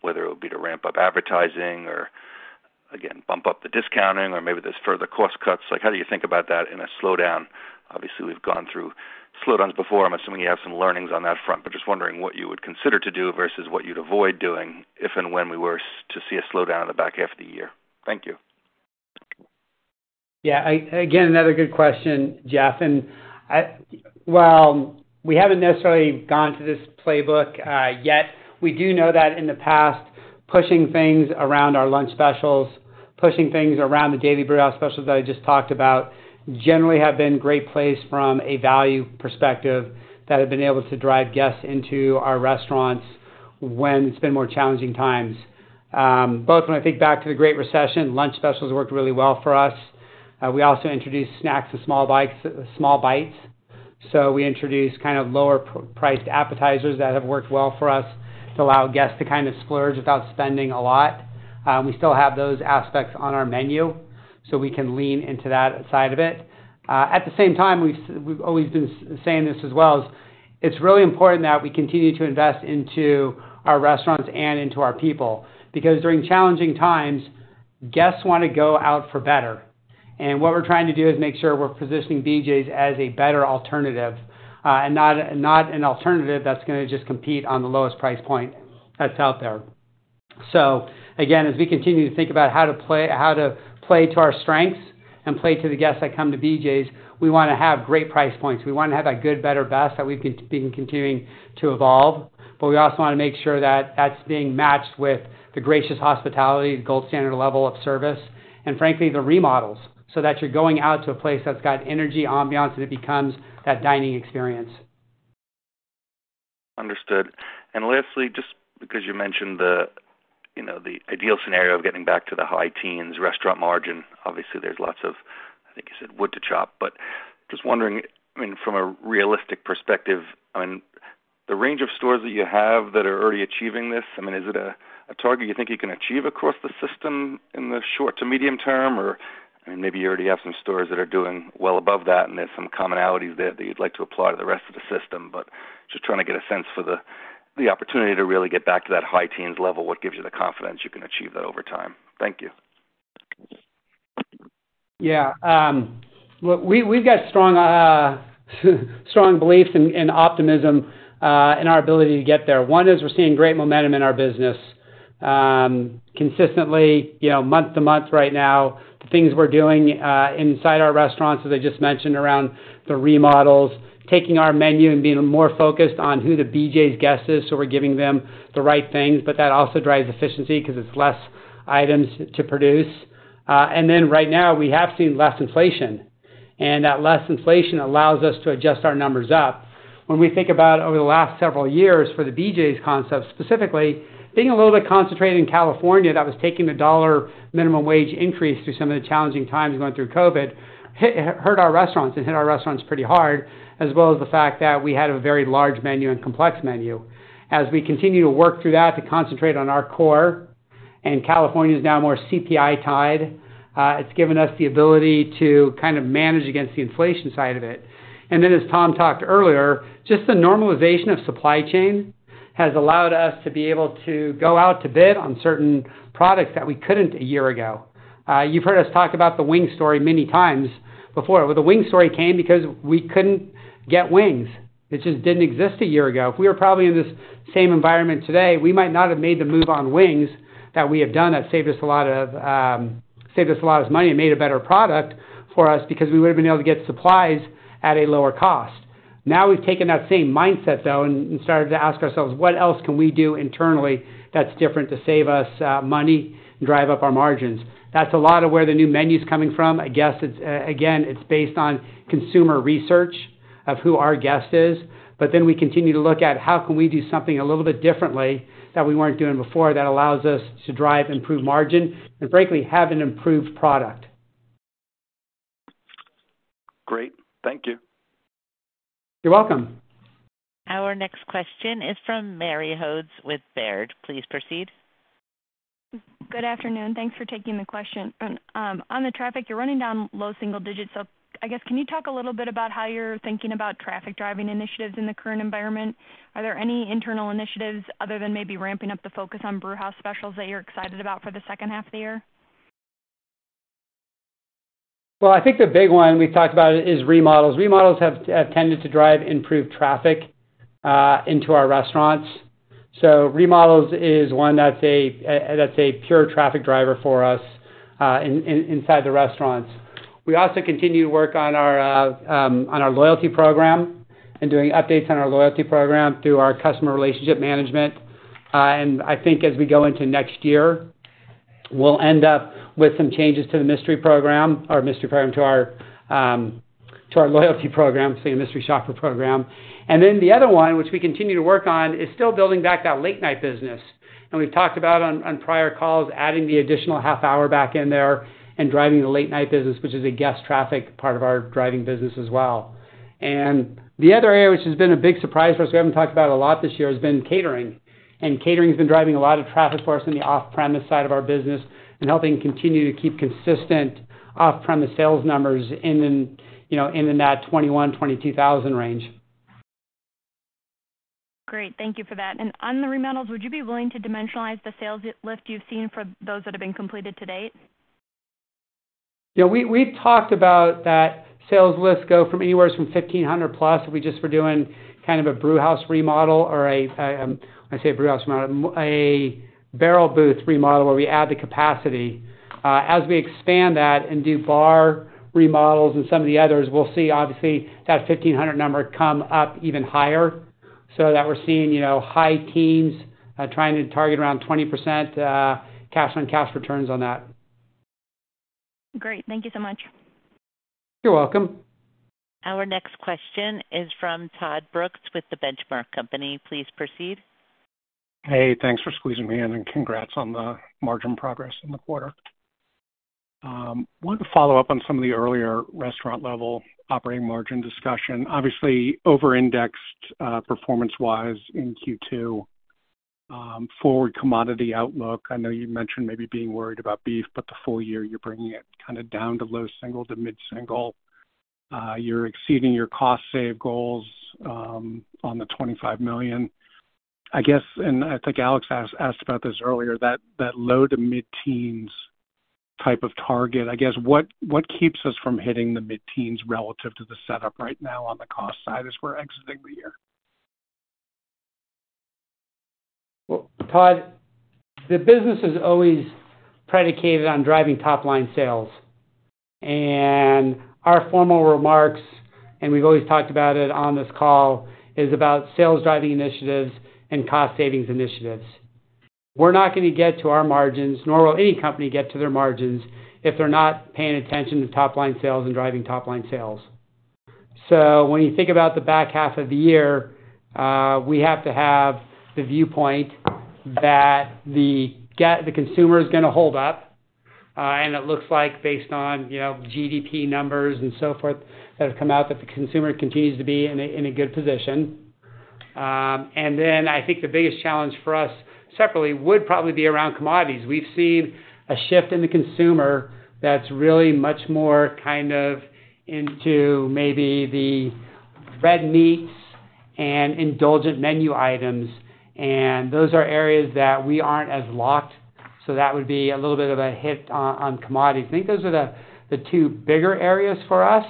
whether it would be to ramp up advertising or again, bump up the discounting or maybe there's further cost cuts. Like, how do you think about that in a slowdown? Obviously, we've gone through slowdowns before. I'm assuming you have some learnings on that front, but just wondering what you would consider to do versus what you'd avoid doing if and when we were to see a slowdown in the back half of the year. Thank you. Yeah, again, another good question, Jeff, and I. Well, we haven't necessarily gone to this playbook yet. We do know that in the past, pushing things around our lunch specials, pushing things around the Daily Brewhouse Specials that I just talked about, generally have been great place from a value perspective, that have been able to drive guests into our restaurants when it's been more challenging times. Both when I think back to the Great Recession, lunch specials worked really well for us. We also introduced snacks and small bites. Small bites. We introduced kind of lower-priced appetizers that have worked well for us to allow guests to kind of splurge without spending a lot. We still have those aspects on our menu, so we can lean into that side of it. At the same time, we've, we've always been saying this as well, it's really important that we continue to invest into our restaurants and into our people, because during challenging times, guests want to go out for better. What we're trying to do is make sure we're positioning BJ's as a better alternative, and not, not an alternative that's gonna just compete on the lowest price point that's out there. Again, as we continue to think about how to play, how to play to our strengths and play to the guests that come to BJ's, we wanna have great price points. We wanna have that good, better, best that we've been continuing to evolve, but we also wanna make sure that that's being matched with the gracious hospitality, gold standard level of service, and frankly, the remodels, so that you're going out to a place that's got energy, ambiance, and it becomes that dining experience. Understood. Lastly, just because you mentioned the, you know, the ideal scenario of getting back to the high teens restaurant margin, obviously, there's lots of, I think you said, wood to chop. Just wondering, I mean, from a realistic perspective, I mean, the range of stores that you have that are already achieving this, I mean, is it a, a target you think you can achieve across the system in the short to medium term? I mean, maybe you already have some stores that are doing well above that, and there's some commonalities there that you'd like to apply to the rest of the system. Just trying to get a sense for the, the opportunity to really get back to that high teens level, what gives you the confidence you can achieve that over time? Thank you. Yeah, look, we, we've got strong beliefs and optimism in our ability to get there. One is we're seeing great momentum in our business. Consistently, you know, month to month right now, the things we're doing inside our restaurants, as I just mentioned, around the remodels, taking our menu and being more focused on who the BJ's guest is, so we're giving them the right things, but that also drives efficiency 'cause it's less items to produce. Then right now, we have seen less inflation, and that less inflation allows us to adjust our numbers up. When we think about over the last several years for the BJ's concept, specifically, being a little bit concentrated in California, that was taking the dollar minimum wage increase through some of the challenging times going through COVID, hurt our restaurants and hit our restaurants pretty hard, as well as the fact that we had a very large menu and complex menu. We continue to work through that to concentrate on our core, California is now more CPI tied, it's given us the ability to kind of manage against the inflation side of it. Then, as Tom talked earlier, just the normalization of supply chain has allowed us to be able to go out to bid on certain products that we couldn't a year ago. You've heard us talk about the wing story many times before. Well, the wing story came because we couldn't get wings. It just didn't exist a year ago. If we were probably in this same environment today, we might not have made the move on wings that we have done. That saved us a lot of, saved us a lot of money and made a better product for us because we would have been able to get supplies at a lower cost. We've taken that same mindset, though, and, and started to ask ourselves, "What else can we do internally that's different to save us, money and drive up our margins?" That's a lot of where the new menu is coming from. I guess, it's, again, it's based on consumer research of who our guest is, but then we continue to look at how can we do something a little bit differently that we weren't doing before that allows us to drive improved margin and frankly, have an improved product. Great. Thank you. You're welcome. Our next question is from Mary Hodes with Baird. Please proceed. Good afternoon. Thanks for taking the question. On the traffic, you're running down low single digits, I guess, can you talk a little bit about how you're thinking about traffic-driving initiatives in the current environment? Are there any internal initiatives other than maybe ramping up the focus on Brewhouse Specials that you're excited about for the second half of the year? Well, I think the big one we've talked about is remodels. Remodels have tended to drive improved traffic into our restaurants. Remodels is one that's a that's a pure traffic driver for us in, in, inside the restaurants. We also continue to work on our on our loyalty program and doing updates on our loyalty program through our customer relationship management. I think as we go into next year, we'll end up with some changes to the mystery program-- or mystery program, to our to our loyalty program, so a mystery shopper program. The other one, which we continue to work on, is still building back that late-night business. We've talked about on, on prior calls, adding the additional half hour back in there and driving the late-night business, which is a guest traffic part of our driving business as well. The other area, which has been a big surprise for us, we haven't talked about a lot this year, has been catering. Catering has been driving a lot of traffic for us in the off-premise side of our business and helping continue to keep consistent off-premise sales numbers in, you know, in that $21,000-$22,000 range. Great. Thank you for that. On the remodels, would you be willing to dimensionalize the sales lift you've seen for those that have been completed to date? Yeah, we, we've talked about that sales lifts go from anywhere from $1,500+. If we just were doing kind of a Brewhouse remodel or a, I say a Brewhouse remodel, a bar and booth remodel, where we add the capacity. As we expand that and do bar remodels and some of the others, we'll see obviously that $1,500 number come up even higher, so that we're seeing, you know, high teens, trying to target around 20% cash on cash returns on that. Great. Thank you so much. You're welcome. Our next question is from Todd Brooks with The Benchmark Company. Please proceed. Hey, thanks for squeezing me in. Congrats on the margin progress in the quarter. Wanted to follow up on some of the earlier restaurant-level operating margin discussion. Obviously, over-indexed performance-wise in Q2. Forward commodity outlook, I know you mentioned maybe being worried about beef, but the full year, you're bringing it kinda down to low single to mid-single. You're exceeding your cost save goals on the $25 million. I guess, and I think Alex asked about this earlier, that, that low-to-mid teens type of target, I guess, what, what keeps us from hitting the mid-teens relative to the setup right now on the cost side as we're exiting the year? Well, Todd, the business is always predicated on driving top-line sales. Our formal remarks, and we've always talked about it on this call, is about sales-driving initiatives and cost savings initiatives. We're not gonna get to our margins, nor will any company get to their margins if they're not paying attention to top-line sales and driving top-line sales. When you think about the back half of the year, we have to have the viewpoint that the consumer is gonna hold up. It looks like based on, you know, GDP numbers and so forth, that have come out, that the consumer continues to be in a, in a good position. Then I think the biggest challenge for us, separately, would probably be around commodities. We've seen a shift in the consumer that's really much more kind of into maybe the red meats and indulgent menu items. Those are areas that we aren't as locked. That would be a little bit of a hit on, on commodities. I think those are the, the two bigger areas for us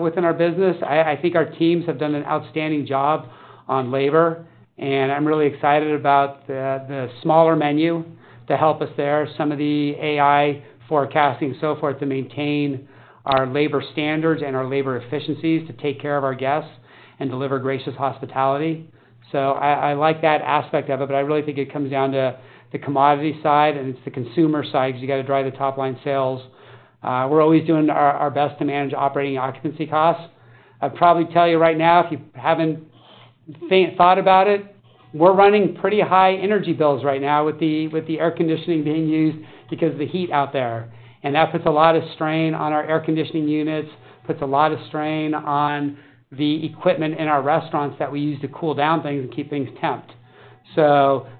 within our business. I, I think our teams have done an outstanding job on labor. I'm really excited about the, the smaller menu to help us there. Some of the AI forecasting so forth, to maintain our labor standards and our labor efficiencies to take care of our guests and deliver gracious hospitality. I, I like that aspect of it. I really think it comes down to the commodity side. It's the consumer side, because you got to drive the top-line sales. We're always doing our, our best to manage operating occupancy costs. I'd probably tell you right now, if you haven't thought about it, we're running pretty high energy bills right now with the, with the air conditioning being used because of the heat out there. That puts a lot of strain on our air conditioning units, puts a lot of strain on the equipment in our restaurants that we use to cool down things and keep things temped.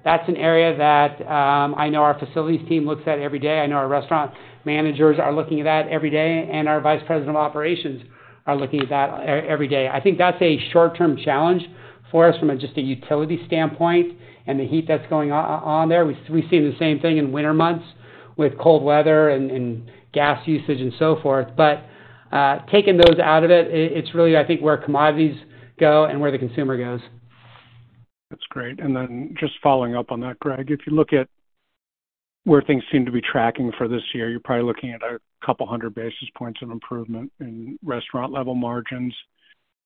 That's an area that I know our facilities team looks at every day. I know our restaurant managers are looking at every day, and our vice president of operations are looking at that every day. I think that's a short-term challenge for us from a just a utility standpoint and the heat that's going on there. We, we see the same thing in winter months with cold weather and, and gas usage and so forth. Taking those out of it, it's really, I think, where commodities go and where the consumer goes. That's great. Then just following up on that, Greg, if you look at where things seem to be tracking for this year, you're probably looking at 200 basis points of improvement in restaurant level margins.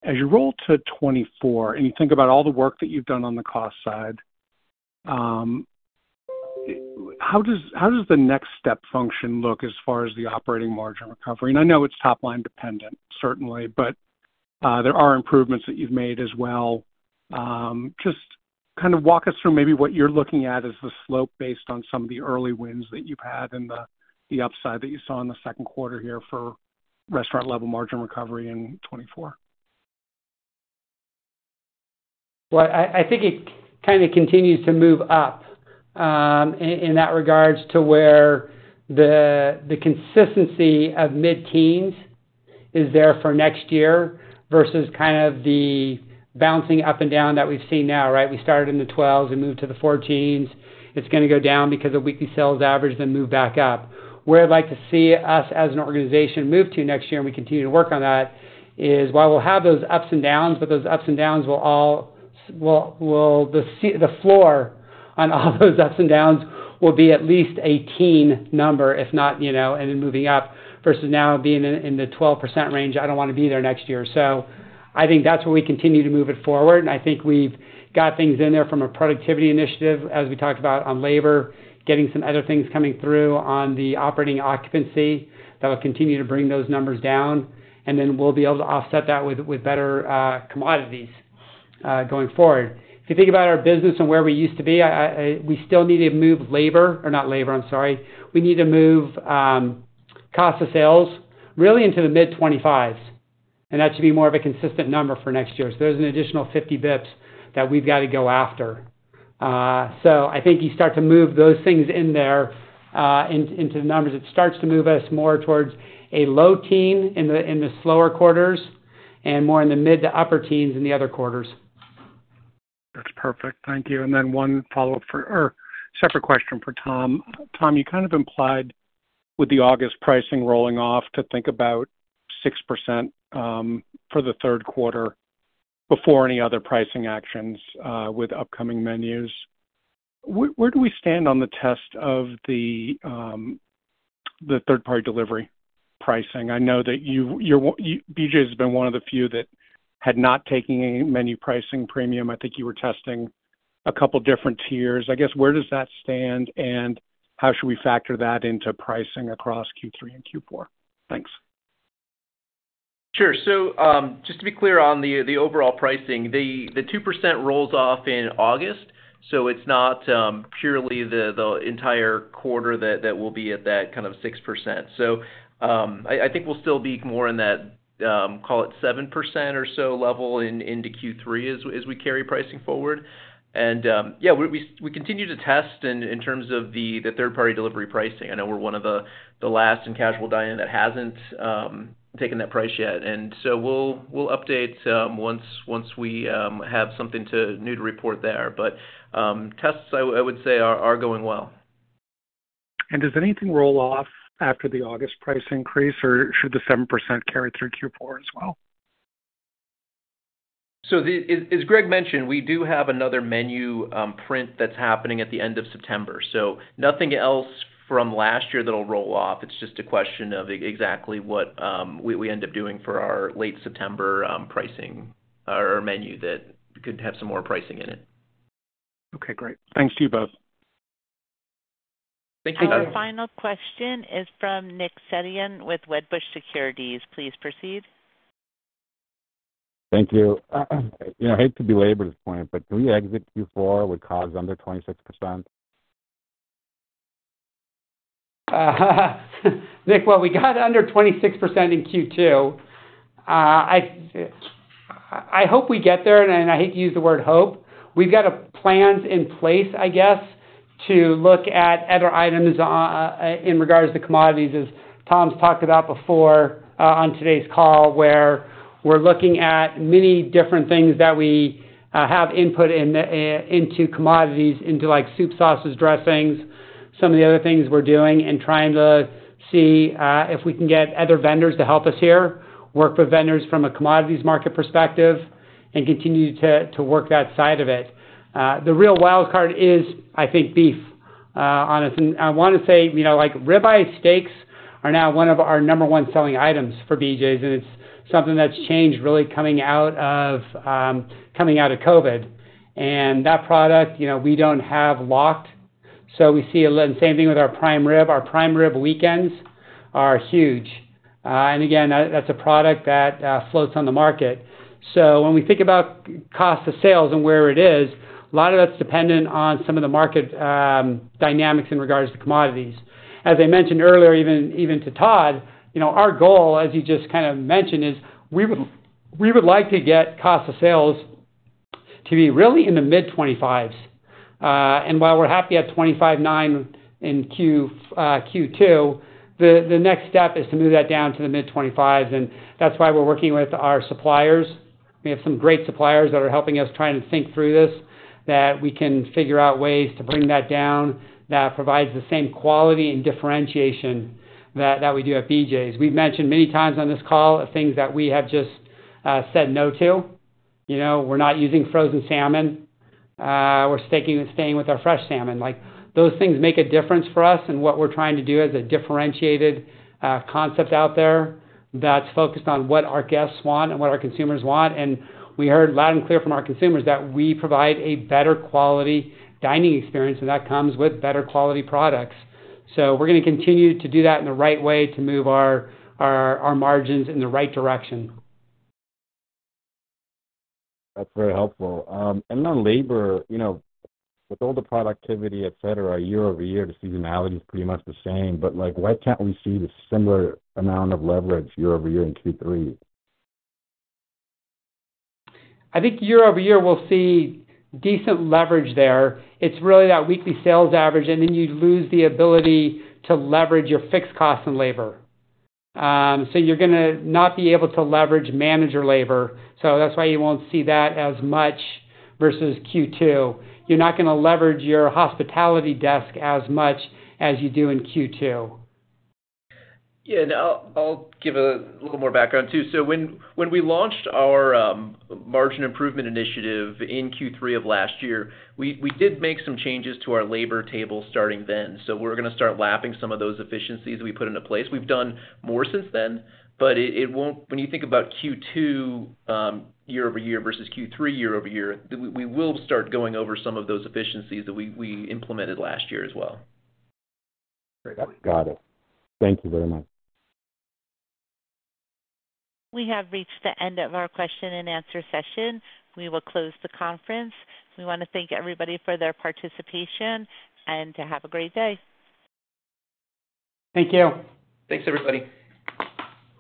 As you roll to 2024, and you think about all the work that you've done on the cost side, how does, how does the next step function look as far as the operating margin recovery? I know it's top line dependent, certainly, but there are improvements that you've made as well. Just kind of walk us through maybe what you're looking at as the slope based on some of the early wins that you've had and the, the upside that you saw in the Q2 here for restaurant level margin recovery in 2024. Well, I, I think it kind of continues to move up in that regards to where the consistency of mid-teens is there for next year versus kind of the bouncing up and down that we've seen now, right? We started in the 12s and moved to the 14s. It's gonna go down because of weekly sales average, then move back up. Where I'd like to see us as an organization move to next year, and we continue to work on that, is while we'll have those ups and downs, but those ups and downs will, will the floor on all those ups and downs will be at least a teen number, if not, you know, and then moving up, versus now being in, in the 12% range. I don't wanna be there next year. I think that's where we continue to move it forward, and I think we've got things in there from a productivity initiative, as we talked about on labor, getting some other things coming through on the operating occupancy that will continue to bring those numbers down, and then we'll be able to offset that with, with better commodities going forward. If you think about our business and where we used to be, I, I, we still need to move labor, or not labor, I'm sorry. We need to move cost of sales really into the mid-25s, and that should be more of a consistent number for next year. There's an additional 50 bips that we've got to go after. I think you start to move those things in there into the numbers. It starts to move us more towards a low teen in the, in the slower quarters and more in the mid to upper teens in the other quarters. That's perfect. Thank you. One follow-up for or separate question for Tom. Tom, you kind of implied with the August pricing rolling off to think about 6%, for the third quarter before any other pricing actions with upcoming menus. Where, where do we stand on the test of the third-party delivery pricing? I know that BJ's has been one of the few that had not taken a menu pricing premium. I think you were testing a couple different tiers. I guess, where does that stand, and how should we factor that into pricing across Q3 and Q4? Thanks. Sure. Just to be clear on the, the overall pricing, the, the 2% rolls off in August, so it's not purely the, the entire quarter that, that will be at that kind of 6%. I, I think we'll still be more in that, call it 7% or so level in- into Q3 as, as we carry pricing forward. Yeah, we, we continue to test in, in terms of the, the third-party delivery pricing. I know we're one of the, the last in casual dining that hasn't taken that price yet. So we'll, we'll update once, once we have something to new to report there. Tests, I, I would say are, are going well. Does anything roll off after the August price increase, or should the 7% carry through Q4 as well? The, as, as Greg mentioned, we do have another menu print that's happening at the end of September. Nothing else from last year that'll roll off. It's just a question of exactly what we end up doing for our late September pricing or, or menu that could have some more pricing in it. Okay, great. Thanks to you both. Thank you. Our final question is from Nick Setyan with Wedbush Securities. Please proceed. Thank you. You know, I hate to belabor this point, but do we exit Q4 with costs under 26%? Nick, well, we got under 26% in Q2. I hope we get there, and I hate to use the word hope. We've got plans in place, I guess, to look at other items in regards to commodities, as Tom's talked about before on today's call, where we're looking at many different things that we have input in into commodities, into, like, soup sauces, dressings, some of the other things we're doing and trying to see if we can get other vendors to help us here, work with vendors from a commodities market perspective and continue to work that side of it. The real wild card is, I think, beef. Honestly, I want to say, you know, like, rib eye steaks are now one of our number one selling items for BJ's, and it's something that's changed really coming out of, coming out of COVID. That product, you know, we don't have locked, so we see a little same thing with our prime rib. Our prime rib weekends are huge. Again, that, that's a product that floats on the market. When we think about cost of sales and where it is, a lot of that's dependent on some of the market dynamics in regards to commodities. As I mentioned earlier, even, even to Todd, you know, our goal, as you just kind of mentioned, is we would, we would like to get cost of sales to be really in the mid-25s. While we're happy at 25.9 in Q2, the next step is to move that down to the mid-20s, and that's why we're working with our suppliers. We have some great suppliers that are helping us try and think through this, that we can figure out ways to bring that down, that provides the same quality and differentiation that, that we do at BJ's. We've mentioned many times on this call of things that we have just said no to. You know, we're not using frozen salmon. We're sticking and staying with our fresh salmon. Like, those things make a difference for us and what we're trying to do as a differentiated concept out there, that's focused on what our guests want and what our consumers want. We heard loud and clear from our consumers that we provide a better quality dining experience, and that comes with better quality products. We're gonna continue to do that in the right way to move our margins in the right direction. That's very helpful. On labor, you know, with all the productivity, et cetera, year-over-year, the seasonality is pretty much the same, but, like, why can't we see the similar amount of leverage year-over-year in Q3? I think year-over-year, we'll see decent leverage there. It's really that weekly sales average, and then you lose the ability to leverage your fixed costs and labor. You're gonna not be able to leverage manager labor, that's why you won't see that as much versus Q2. You're not gonna leverage your hospitality desk as much as you do in Q2. Yeah, I'll, I'll give a little more background, too. When, when we launched our margin improvement initiative in Q3 of last year, we, we did make some changes to our labor table starting then. We're gonna start lapping some of those efficiencies we put into place. We've done more since then, but it, it won't, when you think about Q2, year-over-year versus Q3, year-over-year, we, we will start going over some of those efficiencies that we, we implemented last year as well. Got it. Thank you very much. We have reached the end of our question and answer session. We will close the conference. We want to thank everybody for their participation and to have a great day. Thank you. Thanks, everybody.